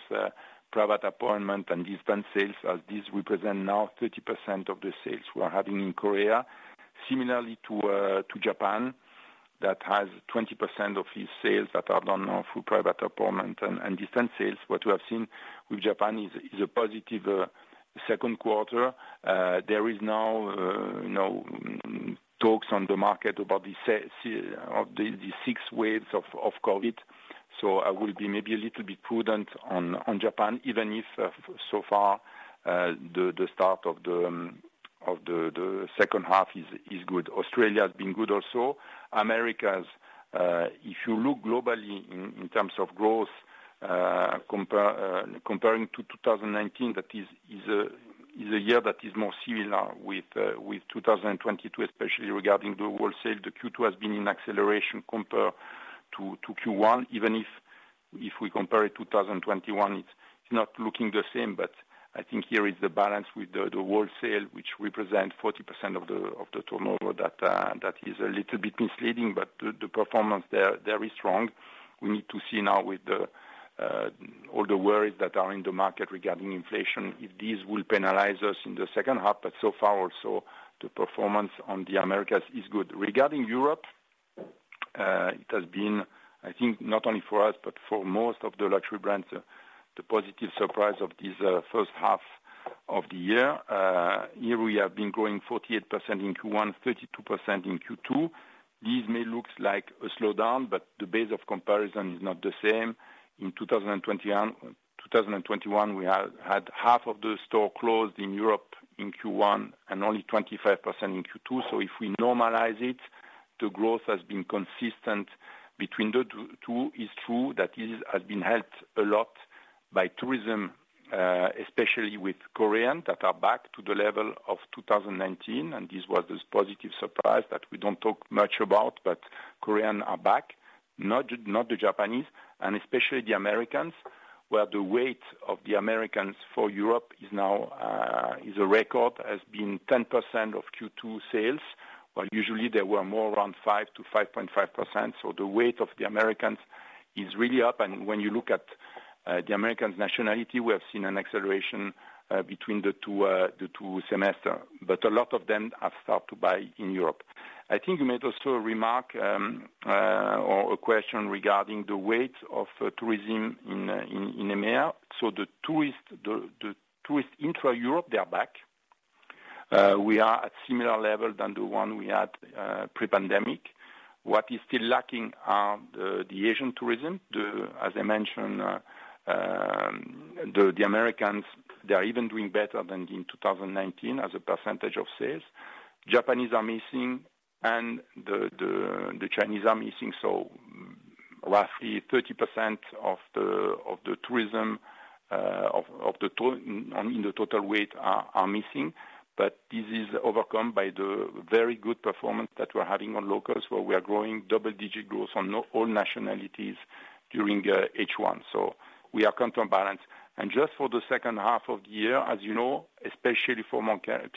private appointment and distance sales. This represent now 30% of the sales we're having in Korea. Similarly to Japan, that has 20% of its sales that are done now through private appointment and distance sales. What we have seen with Japan is a positive second quarter. There is now, you know, talks on the market about the sixth wave of COVID. I will be maybe a little bit prudent on Japan, even if so far the start of the second half is good. Australia has been good also. Americas, if you look globally in terms of growth, comparing to 2019, that is a year that is more similar with 2022, especially regarding the wholesale. The Q2 has been in acceleration compared to Q1. Even if we compare it to 2021, it's not looking the same. I think here is the balance with the wholesale, which represent 40% of the turnover. That is a little bit misleading. The performance there, they're very strong. We need to see now with all the worries that are in the market regarding inflation, if these will penalize us in the second half. So far, also, the performance on the Americas is good. Regarding Europe, it has been, I think, not only for us, but for most of the luxury brands, the positive surprise of this first half of the year. Here we have been growing 48% in Q1, 32% in Q2. These may looks like a slowdown, but the base of comparison is not the same. In 2021, we had half of the stores closed in Europe in Q1 and only 25% in Q2. If we normalize it, the growth has been consistent between the two. It's true that it has been helped a lot by tourism, especially with Koreans that are back to the level of 2019. This was a positive surprise that we don't talk much about. Koreans are back. Not the Japanese, and especially the Americans, where the weight of the Americans for Europe is now is a record, has been 10% of Q2 sales. Usually they were more around 5%-5.5%. The weight of the Americans is really up. When you look at the Americans nationality, we have seen an acceleration between the two semesters, but a lot of them have started to buy in Europe. I think you made also a remark or a question regarding the weight of tourism in EMEA. The tourists intra-Europe, they are back. We are at similar level than the one we had pre-pandemic. What is still lacking are the Asian tourism. As I mentioned, the Americans, they are even doing better than in 2019 as a percentage of sales. Japanese are missing and the Chinese are missing. Roughly 30% of the tourism in the total weight are missing. This is overcome by the very good performance that we're having on locals, where we are growing double-digit growth on all nationalities during H1. We are counterbalanced. Just for the second half of the year, as you know, especially for Moncler,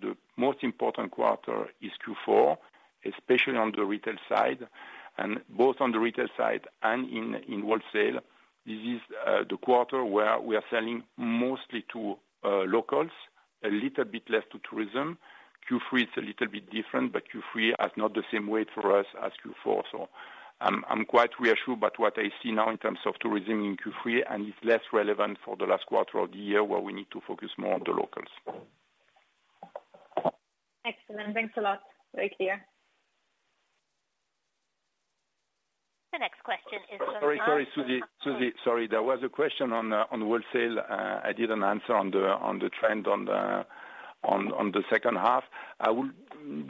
the most important quarter is Q4, especially on the retail side. Both on the retail side and in wholesale, this is the quarter where we are selling mostly to locals, a little bit less to tourism. Q3 is a little bit different, but Q3 has not the same weight for us as Q4. I'm quite reassured by what I see now in terms of tourism in Q3, and it's less relevant for the last quarter of the year where we need to focus more on the locals. Excellent. Thanks a lot. Very clear. Sorry, Susy. There was a question on the wholesale. I didn't answer on the trend on the second half. I will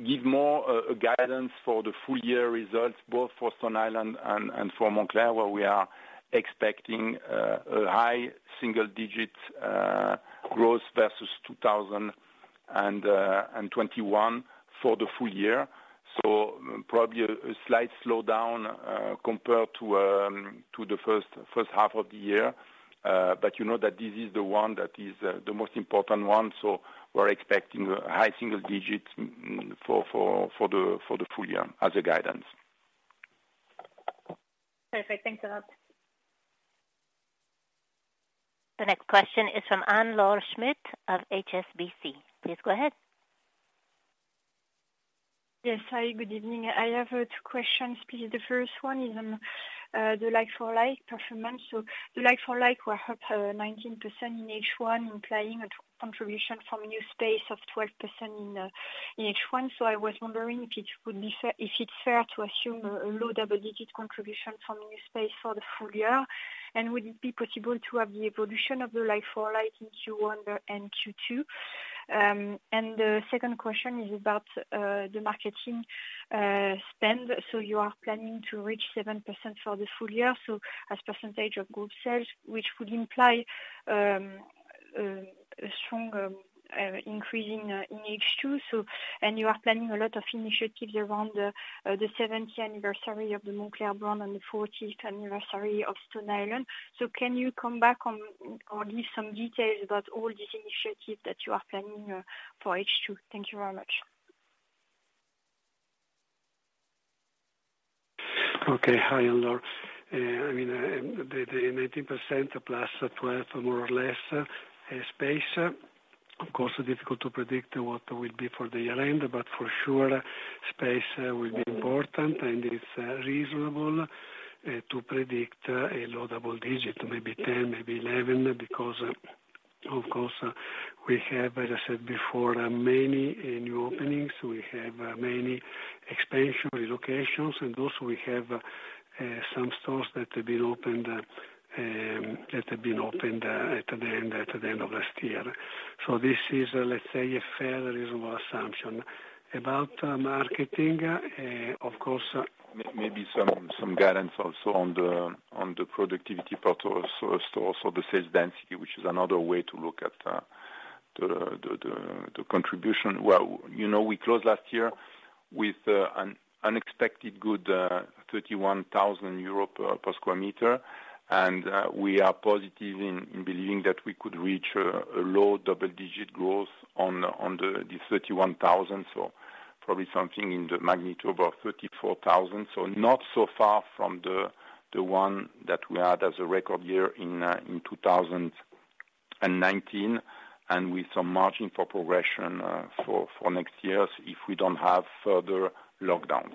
give more guidance for the full year results both for Stone Island and for Moncler, where we are expecting a high single-digit growth versus 2021 for the full year. Probably a slight slowdown compared to the first half of the year. You know that this is the one that is the most important one. We're expecting high single-digit for the full year as a guidance. Perfect. Thanks a lot. The next question is from Anne-Laure Bismuth of HSBC. Please go ahead. Yes. Hi, good evening. I have two questions, please. The first one is on the like-for-like performance. The like-for-like were up 19% in H1, implying a contribution from new space of 12% in H1. I was wondering if it's fair to assume a low double-digit contribution from new space for the full year. Would it be possible to have the evolution of the like-for-like in Q1 and Q2? The second question is about the marketing spend. You are planning to reach 7% for the full year, as percentage of group sales, which would imply a strong increase in H2. You are planning a lot of initiatives around the 70th anniversary of the Moncler brand and the 40th anniversary of Stone Island. Can you come back on or give some details about all these initiatives that you are planning for H2? Thank you very much. Okay. Hi, Anne-Laure. I mean, the 19% +12%, more or less, space, of course, difficult to predict what will be for the year-end, but for sure, space will be important, and it's reasonable to predict a low double-digit, maybe 10%, maybe 11%, because, of course, we have, as I said before, many new openings. We have many expansion relocations, and also we have some stores that have been opened at the end of last year. So this is, let's say, a fairly reasonable assumption. About marketing, of course- Maybe some guidance also on the productivity part also of the sales density, which is another way to look at the contribution. Well, you know, we closed last year with an unexpectedly good 31,000 euros per square meter and we are positive in believing that we could reach a low double digit growth on the 31,000. So probably something in the magnitude of 34,000. So not so far from the one that we had as a record year in 2019 and with some margin for progression for next years if we don't have further lockdowns.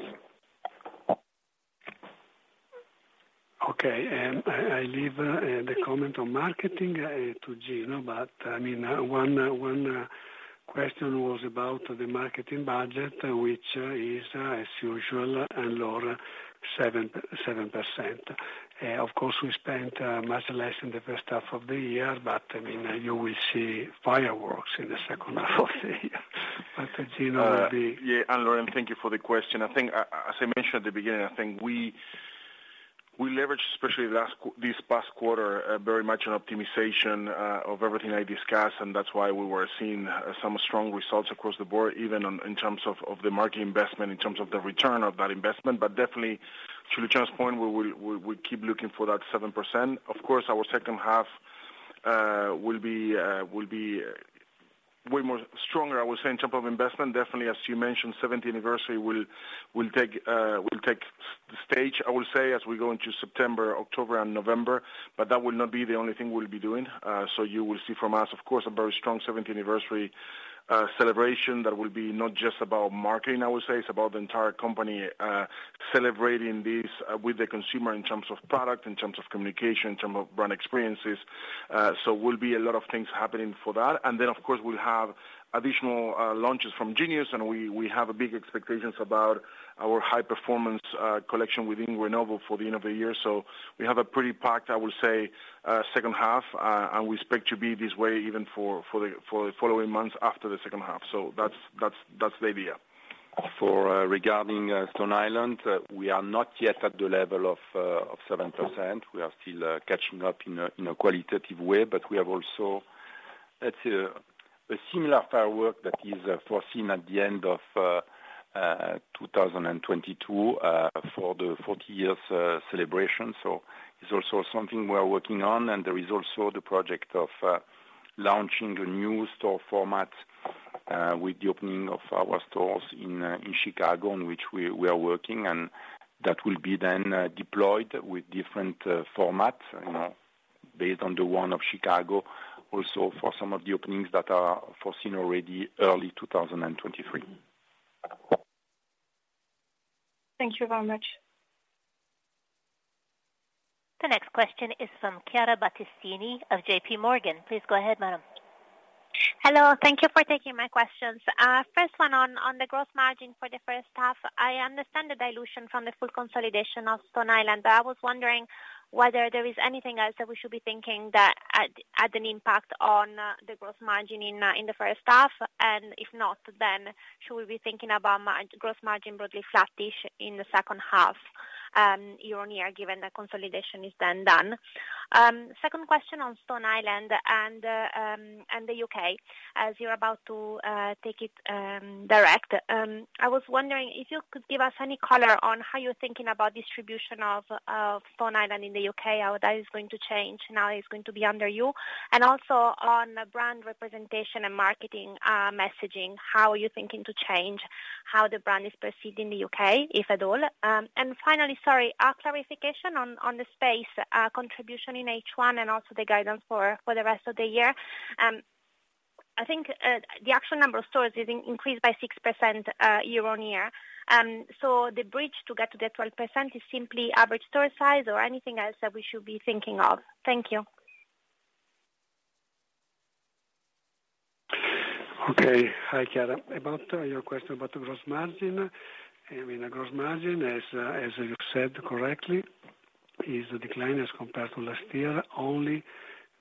I leave the comment on marketing to Gino, but I mean, one question was about the marketing budget, which is, as usual, Anne-Laure, 7%. Of course, we spent much less in the first half of the year, but I mean, you will see fireworks in the second half of the year. Yeah, Anne-Laure, thank you for the question. I think, as I mentioned at the beginning, I think we leveraged, especially this past quarter, very much on optimization of everything I discussed, and that's why we were seeing some strong results across the board, even in terms of the market investment, in terms of the return of that investment. Definitely, to Luciano's point, we keep looking for that 7%. Of course, our second half will be way more stronger, I would say, in terms of investment. Definitely, as you mentioned, 70th anniversary will take the stage, I will say, as we go into September, October, and November. That will not be the only thing we'll be doing. You will see from us, of course, a very strong 70th anniversary celebration that will be not just about marketing, I would say. It's about the entire company celebrating this with the consumer in terms of product, in terms of communication, in terms of brand experiences. There will be a lot of things happening for that. Then, of course, we'll have additional launches from Genius, and we have high expectations about our high performance collection within Grenoble for the end of the year. We have a pretty packed, I will say, second half, and we expect to be this way even for the following months after the second half. That's the idea. Regarding Stone Island, we are not yet at the level of 7%. We are still catching up in a qualitative way, but we have also, let's say, a similar fireworks that is foreseen at the end of 2022 for the 40 years celebration. It's also something we are working on. There is also the project of launching a new store format with the opening of our stores in Chicago, in which we are working, and that will be then deployed with different formats, you know, based on the one of Chicago also for some of the openings that are foreseen already early 2023. Thank you very much. The next question is from Chiara Battistini of JPMorgan. Please go ahead, madam. Hello. Thank you for taking my questions. First one on the gross margin for the first half. I understand the dilution from the full consolidation of Stone Island, but I was wondering whether there is anything else that we should be thinking that had an impact on the gross margin in the first half. If not, then should we be thinking about gross margin broadly flattish in the second half, year-on-year, given that consolidation is then done? Second question on Stone Island and the U.K., as you're about to take it direct. I was wondering if you could give us any color on how you're thinking about distribution of Stone Island in the U.K., how that is going to change now it's going to be under you? Also on brand representation and marketing, messaging, how are you thinking to change how the brand is perceived in the U.K., if at all? Finally, sorry, a clarification on the space contribution in H1 and also the guidance for the rest of the year. I think the actual number of stores is increased by 6% year-on-year. The bridge to get to the 12% is simply average store size or anything else that we should be thinking of? Thank you. Okay. Hi, Chiara. About your question about the gross margin. I mean the gross margin, as you said correctly, is a decline as compared to last year, only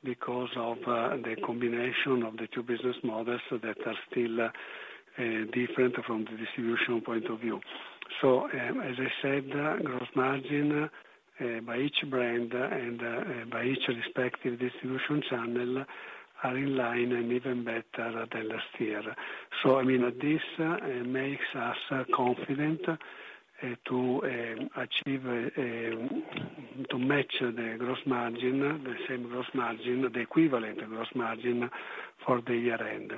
because of the combination of the two business models that are still different from the distribution point of view. As I said, gross margin by each brand and by each respective distribution channel are in line and even better than last year. I mean, this makes us confident to match the gross margin, the same gross margin, the equivalent gross margin for the year-end.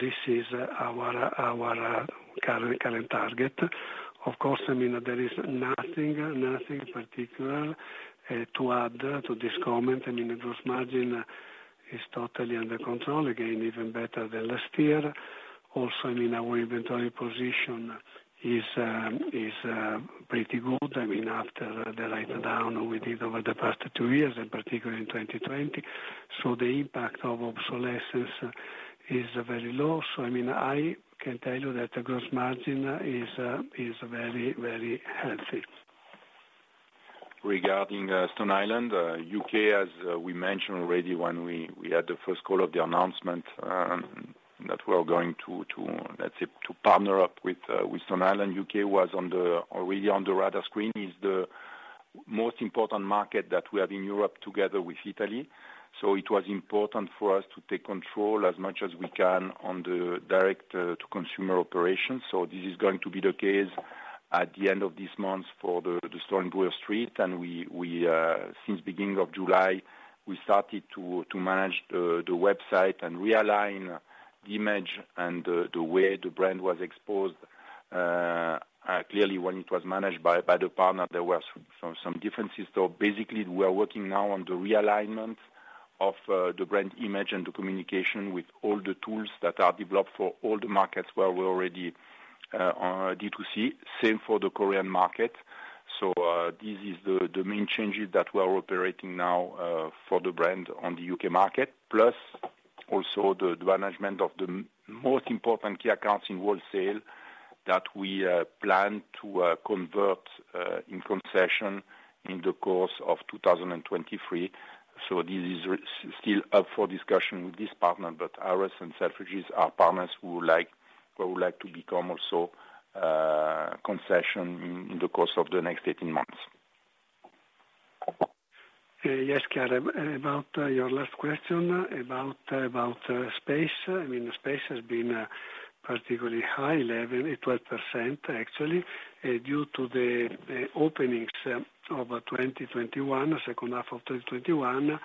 This is our current target. Of course, I mean, there is nothing particular to add to this comment. I mean, the gross margin is totally under control. Again, even better than last year. Also, I mean, our inventory position is pretty good. I mean, after the write-down we did over the past two years, and particularly in 2020. The impact of obsolescence is very low. I mean, I can tell you that the gross margin is very, very healthy. Regarding Stone Island U.K., as we mentioned already when we had the first call of the announcement, that we are going to partner up with Stone Island, U.K. was already on the radar screen. It is the most important market that we have in Europe together with Italy. It was important for us to take control as much as we can on the direct-to-consumer operations. This is going to be the case at the end of this month for the store in Brewer Street. Since beginning of July, we started to manage the website and realign the image and the way the brand was exposed. Clearly, when it was managed by the partner, there were some differences. Basically we are working now on the realignment of the brand image and the communication with all the tools that are developed for all the markets where we're already on D2C. Same for the Korean market. This is the main changes that we are operating now for the brand on the U.K. market. Plus also the management of the most important key accounts in wholesale that we plan to convert in concession in the course of 2023. This is still up for discussion with this partner. Harrods and Selfridges are partners who would like to become also concession in the course of the next 18 months. Yes, Chiara. About your last question about space. I mean, the space has been particularly high, 11%, 12% actually, due to the openings of 2021, second half of 2021.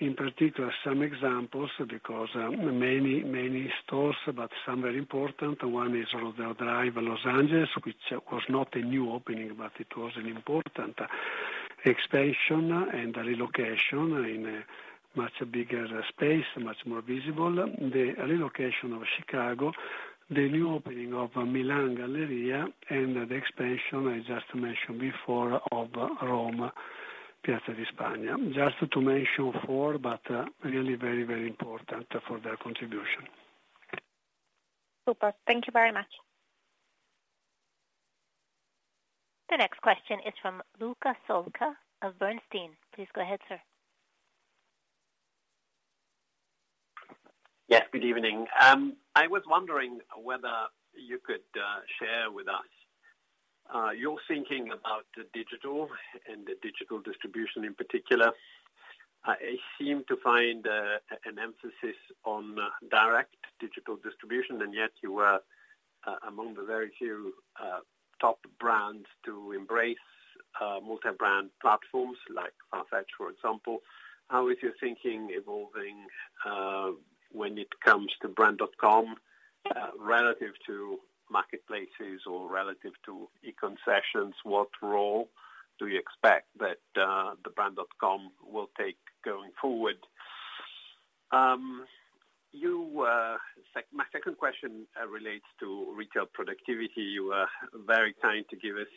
In particular, some examples, because many, many stores, but some very important. One is Rodeo Drive, Los Angeles, which was not a new opening, but it was an important expansion and a relocation in a much bigger space, much more visible. The relocation of Chicago, the new opening of Milan Galleria and the expansion I just mentioned before of Rome, Piazza di Spagna. Just to mention four, but really very important for their contribution. Super. Thank you very much. The next question is from Luca Solca of Bernstein. Please go ahead, sir. Yes, good evening. I was wondering whether you could share with us your thinking about the digital and the digital distribution in particular. I seem to find an emphasis on direct digital distribution, and yet you are among the very few top brands to embrace multi-brand platforms like Farfetch, for example. How is your thinking evolving when it comes to brand.com relative to marketplaces or relative to e-concessions? What role do you expect that the brand.com will take going forward? My second question relates to retail productivity. You are very kind to give us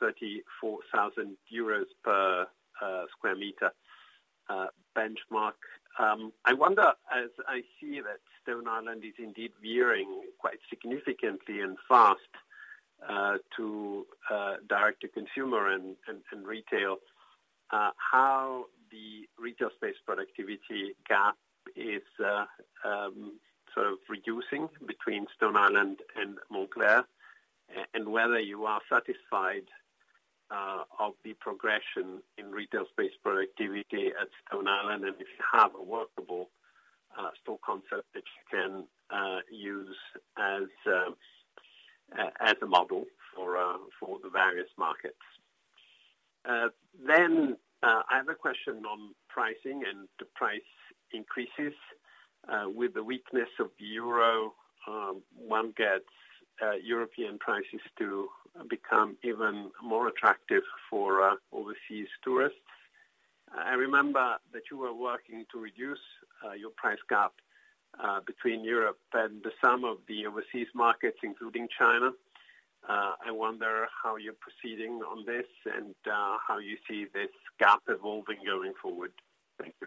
34,000 euros per square meter benchmark. I wonder, as I see that Stone Island is indeed veering quite significantly and fast to direct-to-consumer and retail, how the retail space productivity gap is sort of reducing between Stone Island and Moncler? And whether you are satisfied of the progression in retail space productivity at Stone Island and if you have a workable store concept that you can use as a model for the various markets? I have a question on pricing and the price increases. With the weakness of the euro, one gets European prices to become even more attractive for overseas tourists. I remember that you were working to reduce your price gap between Europe and some of the overseas markets, including China. I wonder how you're proceeding on this and how you see this gap evolving going forward? Thank you.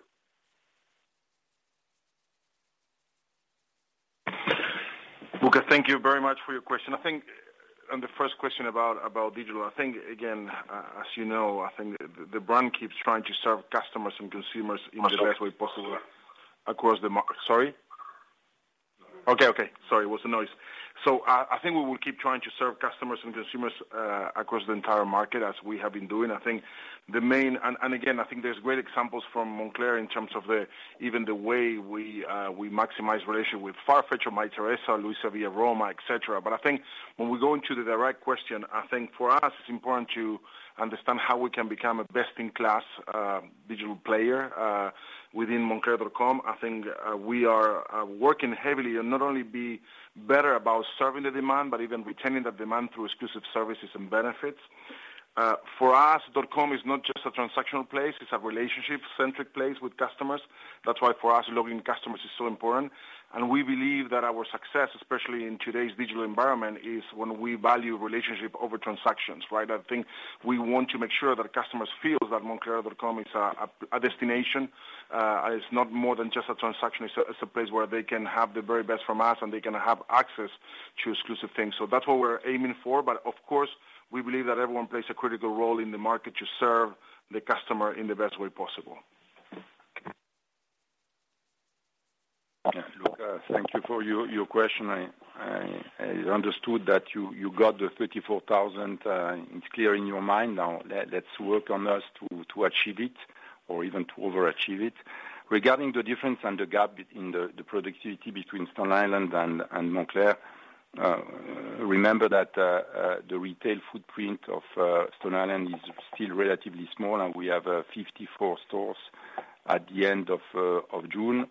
Luca, thank you very much for your question. I think on the first question about digital, I think again, as you know, I think the brand keeps trying to serve customers and consumers in the best way possible across the— Sorry? Okay, okay. Sorry, it was the noise. I think we will keep trying to serve customers and consumers across the entire market as we have been doing. I think there's great examples from Moncler in terms of the, even the way we maximize relationship with Farfetch or Mytheresa, LuisaViaRoma, et cetera. I think when we go into the direct question, I think for us it's important to understand how we can become a best-in-class digital player within moncler.com. I think we are working heavily and not only being better about serving the demand, but even retaining the demand through exclusive services and benefits. For us .com is not just a transactional place, it's a relationship-centric place with customers. That's why for us loyal customers is so important. We believe that our success, especially in today's digital environment, is when we value relationship over transactions, right? I think we want to make sure that customers feel that moncler.com is a destination. It's more than just a transaction. It's a place where they can have the very best from us, and they can have access to exclusive things. That's what we're aiming for, but of course, we believe that everyone plays a critical role in the market to serve the customer in the best way possible. Yeah. Luca, thank you for your question. I understood that you got the 34,000, it's clear in your mind now. Let's work on us to achieve it or even to overachieve it. Regarding the difference and the gap in the productivity between Stone Island and Moncler, remember that the retail footprint of Stone Island is still relatively small, and we have 54 stores at the end of June,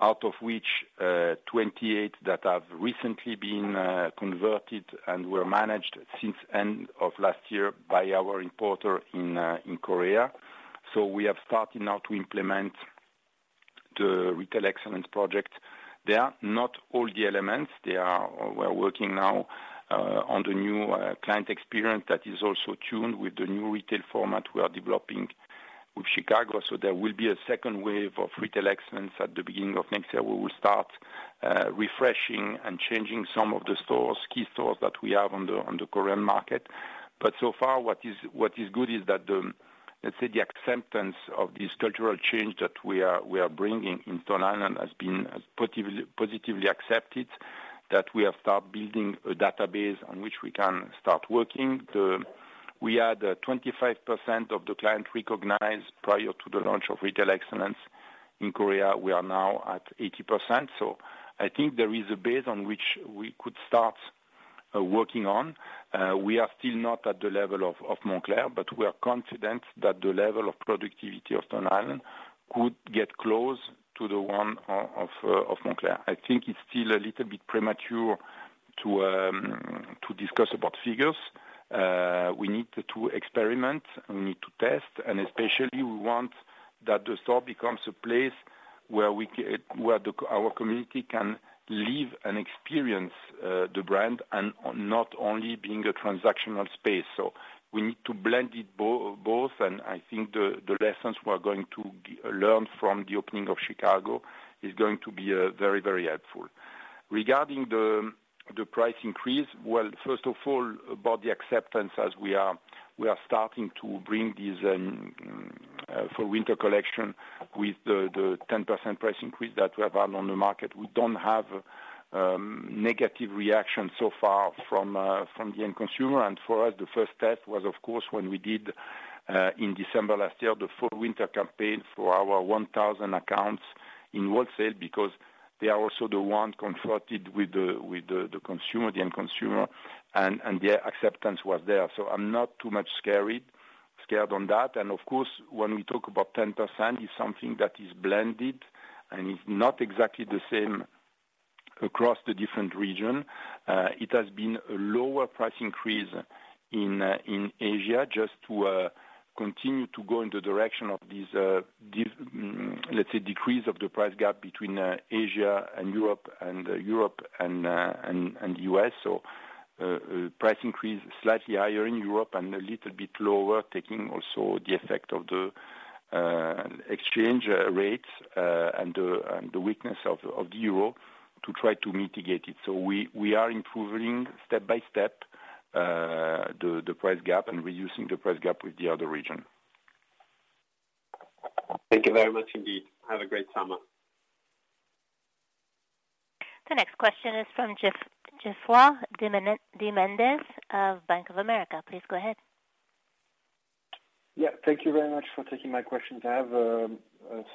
out of which 28 that have recently been converted and were managed since end of last year by our importer in Korea. We have started now to implement the retail excellence project. They are not all the elements. We're working now on the new client experience that is also tuned with the new retail format we are developing with Chicago. There will be a second wave of retail excellence at the beginning of next year, where we'll start refreshing and changing some of the stores, key stores that we have on the Korean market. So far what is good is that the, let's say, the acceptance of this cultural change that we are bringing in Stone Island has been positively accepted. We have started building a database on which we can start working. We had 25% of the client recognized prior to the launch of retail excellence in Korea. We are now at 80%. I think there is a base on which we could start working on. We are still not at the level of Moncler, but we are confident that the level of productivity of Stone Island could get close to the one of Moncler. I think it's still a little bit premature to discuss about figures. We need to experiment, and we need to test, and especially we want that the store becomes a place where our community can live and experience the brand and not only being a transactional space. So we need to blend it both. I think the lessons we're going to learn from the opening of Chicago is going to be very, very helpful. Regarding the price increase, well, first of all, about the acceptance as we are starting to bring these for winter collection with the 10% price increase that we have on the market. We don't have negative reaction so far from the end consumer. For us, the first test was of course when we did in December last year the full winter campaign for our 1,000 accounts in wholesale because they are also the one confronted with the consumer, the end consumer. Their acceptance was there. I'm not too much scared on that. Of course, when we talk about 10% is something that is blended and is not exactly the same across the different region. It has been a lower price increase in Asia just to continue to go in the direction of this, let's say, decrease of the price gap between Asia and Europe and Europe and U.S. Price increase slightly higher in Europe and a little bit lower, taking also the effect of the exchange rates and the weakness of the euro to try to mitigate it. We are improving step-by-step the price gap and reducing the price gap with the other region. Thank you very much indeed. Have a great summer. The next question is from Geoffroy de Mendez of Bank of America. Please go ahead. Yeah, thank you very much for taking my question. I have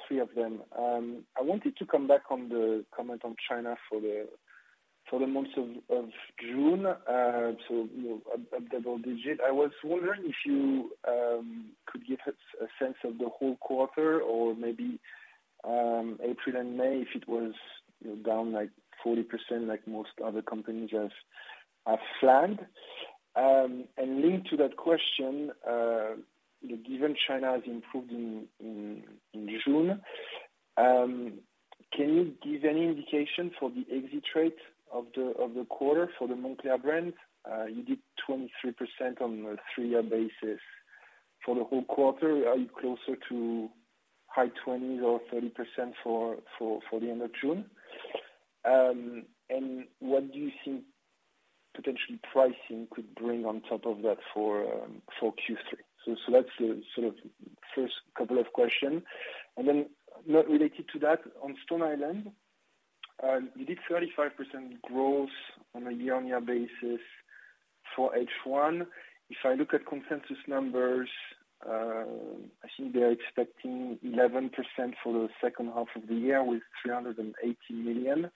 three of them. I wanted to come back on the comment on China for the months of June. You know, a double digit. I was wondering if you could give us a sense of the whole quarter or maybe April and May, if it was, you know, down like 40% like most other companies have flagged. Linked to that question, given China has improved in June, can you give any indication for the exit rate of the quarter for the Moncler brand? You did 23% on a three-year basis. For the whole quarter, are you closer to high 20s or 30% for the end of June? What do you think potential pricing could bring on top of that for Q3? That's the sort of first couple of question. Not related to that, on Stone Island, you did 35% growth on a year-on-year basis for H1. If I look at consensus numbers, I think they are expecting 11% for the second half of the year with 380 million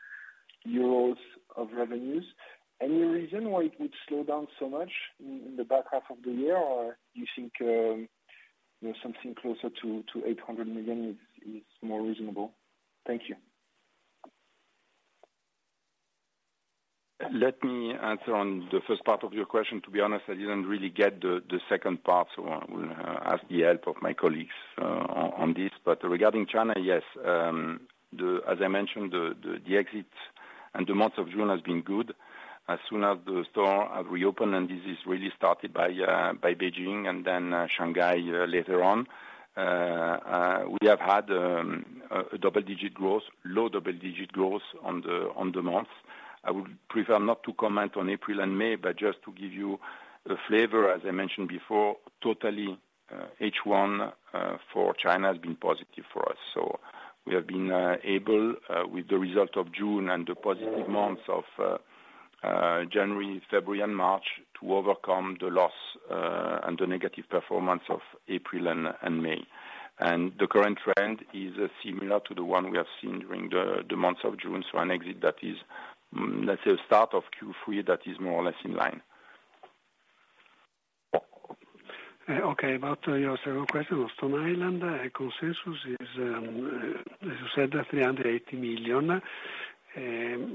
euros of revenues. Any reason why it would slow down so much in the back half of the year? Or you think, you know, something closer to 800 million is more reasonable? Thank you. Let me answer on the first part of your question. To be honest, I didn't really get the second part, so I will ask the help of my colleagues on this. Regarding China, yes, as I mentioned, the exit and the month of June has been good. As soon as the store have reopened, and this really started by Beijing and then Shanghai later on, we have had a double digit growth, low double digit growth on the month. I would prefer not to comment on April and May, but just to give you a flavor, as I mentioned before, totally H1 for China has been positive for us. We have been able with the result of June and the positive months of January, February and March to overcome the loss and the negative performance of April and May. The current trend is similar to the one we have seen during the months of June. An exit that is, let's say start of Q3, that is more or less in line. Okay, about your second question on Stone Island, consensus is, as you said, 380 million.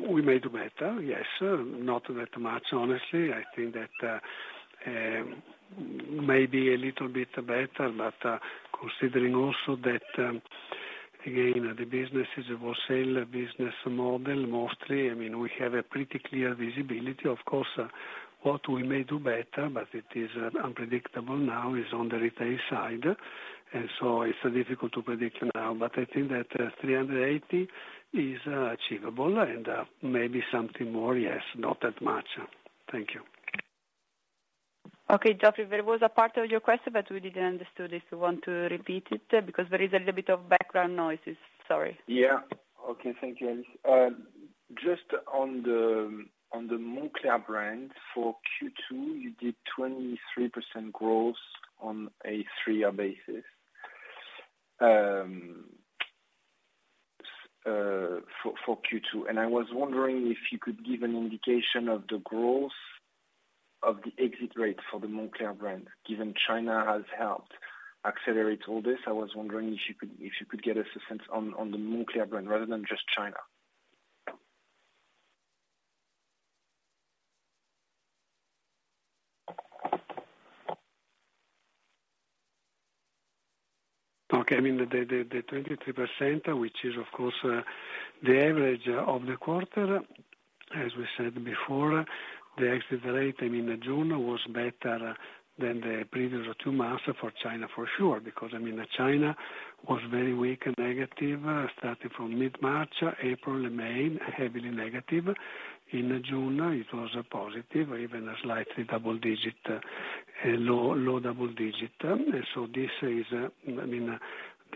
We may do better, yes, not that much. Honestly, I think that maybe a little bit better, but considering also that again, the business is a wholesale business model mostly. I mean, we have a pretty clear visibility. Of course, what we may do better, but it is unpredictable now, is on the retail side. It's difficult to predict now, but I think that 380 million is achievable and maybe something more, yes, not that much. Thank you. Okay, Geoffroy, there was a part of your question, but we didn't understand it. You want to repeat it? Because there is a little bit of background noise. Sorry. Yeah. Okay. Thank you. Just on the Moncler brand for Q2, you did 23% growth on a three-year basis for Q2. I was wondering if you could give an indication of the growth of the exit rate for the Moncler brand, given China has helped accelerate all this. I was wondering if you could get us a sense on the Moncler brand rather than just China. Okay. I mean, the 23%, which is of course the average of the quarter, as we said before, the exit rate in June was better than the previous two months for China for sure, because I mean, China was very weak and negative, starting from mid-March, April and May, heavily negative. In June it was positive, even a slightly double-digit, low double-digit.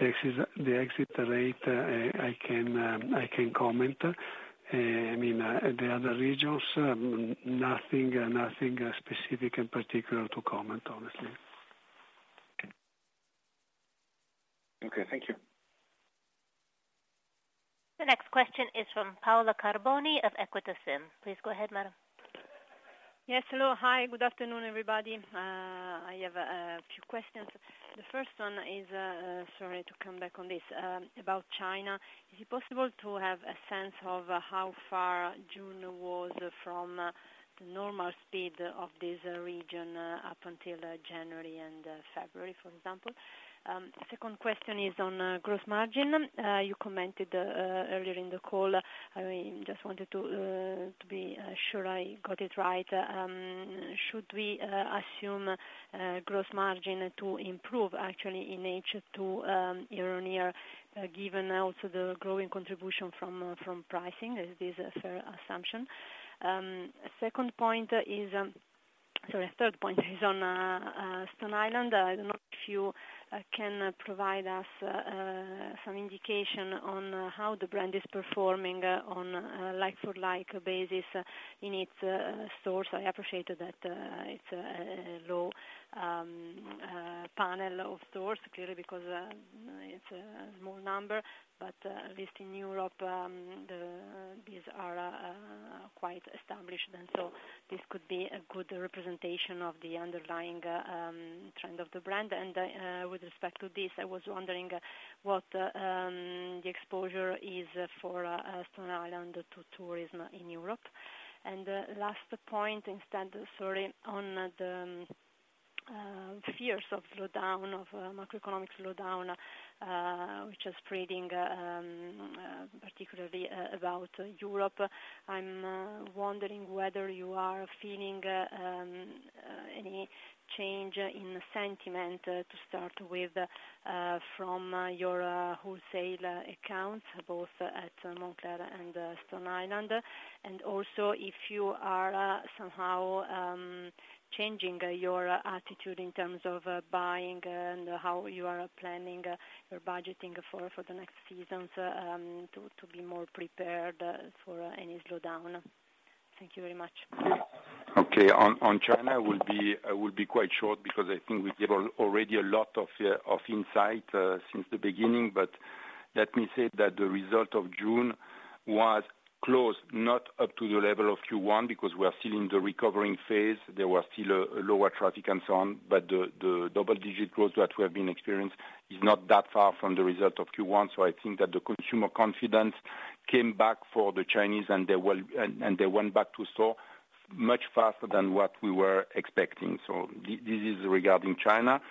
This is— the exit rate, I can comment. I mean, the other regions, nothing specific in particular to comment, honestly. Okay. Thank you. The next question is from Paola Carboni of Equita SIM. Please go ahead, madam. Yes, hello. Hi, good afternoon, everybody. I have a few questions. The first one is, sorry to come back on this, about China. Is it possible to have a sense of how far June was from the normal speed of this region, up until January and February, for example? Second question is on gross margin. You commented earlier in the call, I just wanted to be sure I got it right. Should we assume gross margin to improve actually in H2, year-on-year, given also the growing contribution from pricing? Is this a fair assumption? Second point is, sorry, third point is on Stone Island. I don't know if you can provide us some indication on how the brand is performing on like-for-like basis in its stores. I appreciate that it's a low panel of stores, clearly because it's a small number. At least in Europe, these are quite established, and so this could be a good representation of the underlying trend of the brand. With respect to this, I was wondering what the exposure is for Stone Island to tourism in Europe. Last point instead, sorry, on the fears of slowdown of— macroeconomic slowdown which is spreading particularly about Europe. I'm wondering whether you are feeling any change in sentiment to start with from your wholesale accounts both at Moncler and Stone Island. Also if you are somehow changing your attitude in terms of buying and how you are planning your budgeting for the next seasons to be more prepared for any slowdown? Thank you very much. On China, I will be quite short because I think we gave already a lot of insight since the beginning. Let me say that the result of June was close, not up to the level of Q1 because we are still in the recovering phase. There was still a lower traffic and so on, but the double digit growth that we have been experienced is not that far from the result of Q1. I think that the consumer confidence came back for the Chinese and they went back to store much faster than what we were expecting. This is regarding China.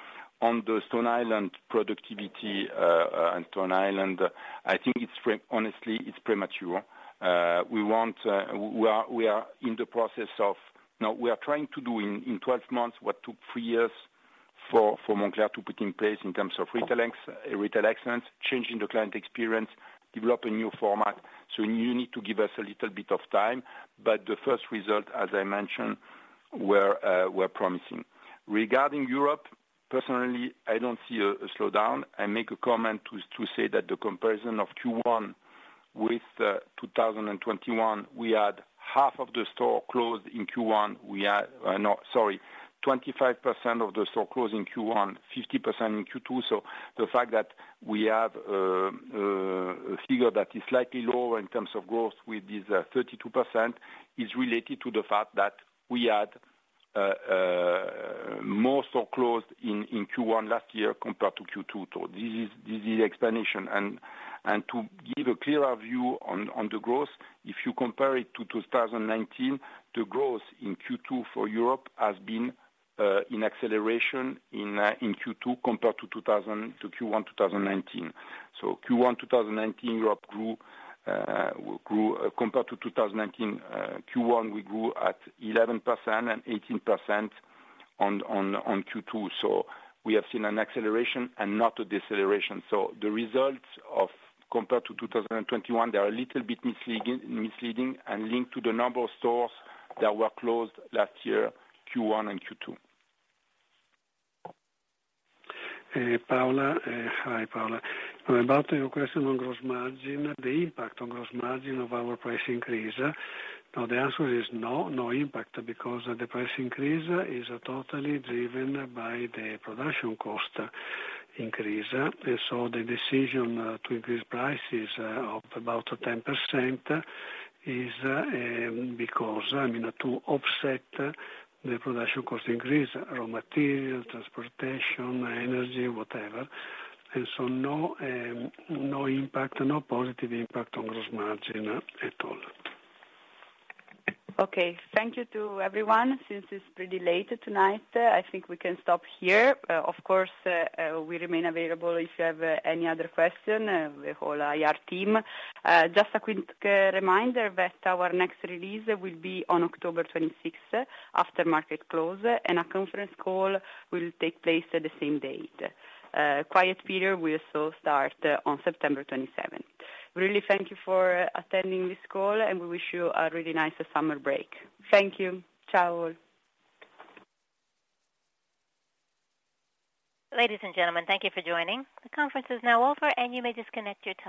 On the Stone Island— productivity on Stone Island, I think it's honestly premature. We are in the process of— Now, we are trying to do in 12 months what took three years for Moncler to put in place in terms of retail excellence, changing the client experience, developing new format. You need to give us a little bit of time. The first result, as I mentioned, were promising. Regarding Europe, personally, I don't see a slowdown. I make a comment to say that the comparison of Q1 with 2021, we had half of the stores closed in Q1, we had— No, sorry, 25% of the stores closed in Q1, 50% in Q2. The fact that we have a figure that is slightly lower in terms of growth with this 32% is related to the fact that we had more stores closed in Q1 last year compared to Q2. This is the explanation. To give a clearer view on the growth, if you compare it to 2019, the growth in Q2 for Europe has been in acceleration in Q2 compared to Q1 2019. So Q1 2019, Europe grew compared to 2019 Q1 we grew at 11% and 18% on Q2. We have seen an acceleration and not a deceleration. The results as compared to 2021, they are a little bit misleading and linked to the number of stores that were closed last year, Q1 and Q2. Paola, hi, Paola. About your question on gross margin, the impact on gross margin of our price increase, now the answer is no impact because the price increase is totally driven by the production cost increase. The decision to increase prices of about 10% is, I mean, to offset the production cost increase, raw materials, transportation, energy, whatever. No impact, no positive impact on gross margin at all. Okay. Thank you to everyone. Since it's pretty late tonight, I think we can stop here. Of course, we remain available if you have any other question, the whole IR team. Just a quick reminder that our next release will be on October 26th after market close, and a conference call will take place at the same date. Quiet period will start on September 27th. Really thank you for attending this call, and we wish you a really nice summer break. Thank you. Ciao all. Ladies and gentlemen, thank you for joining. The conference is now over and you may disconnect your telephones.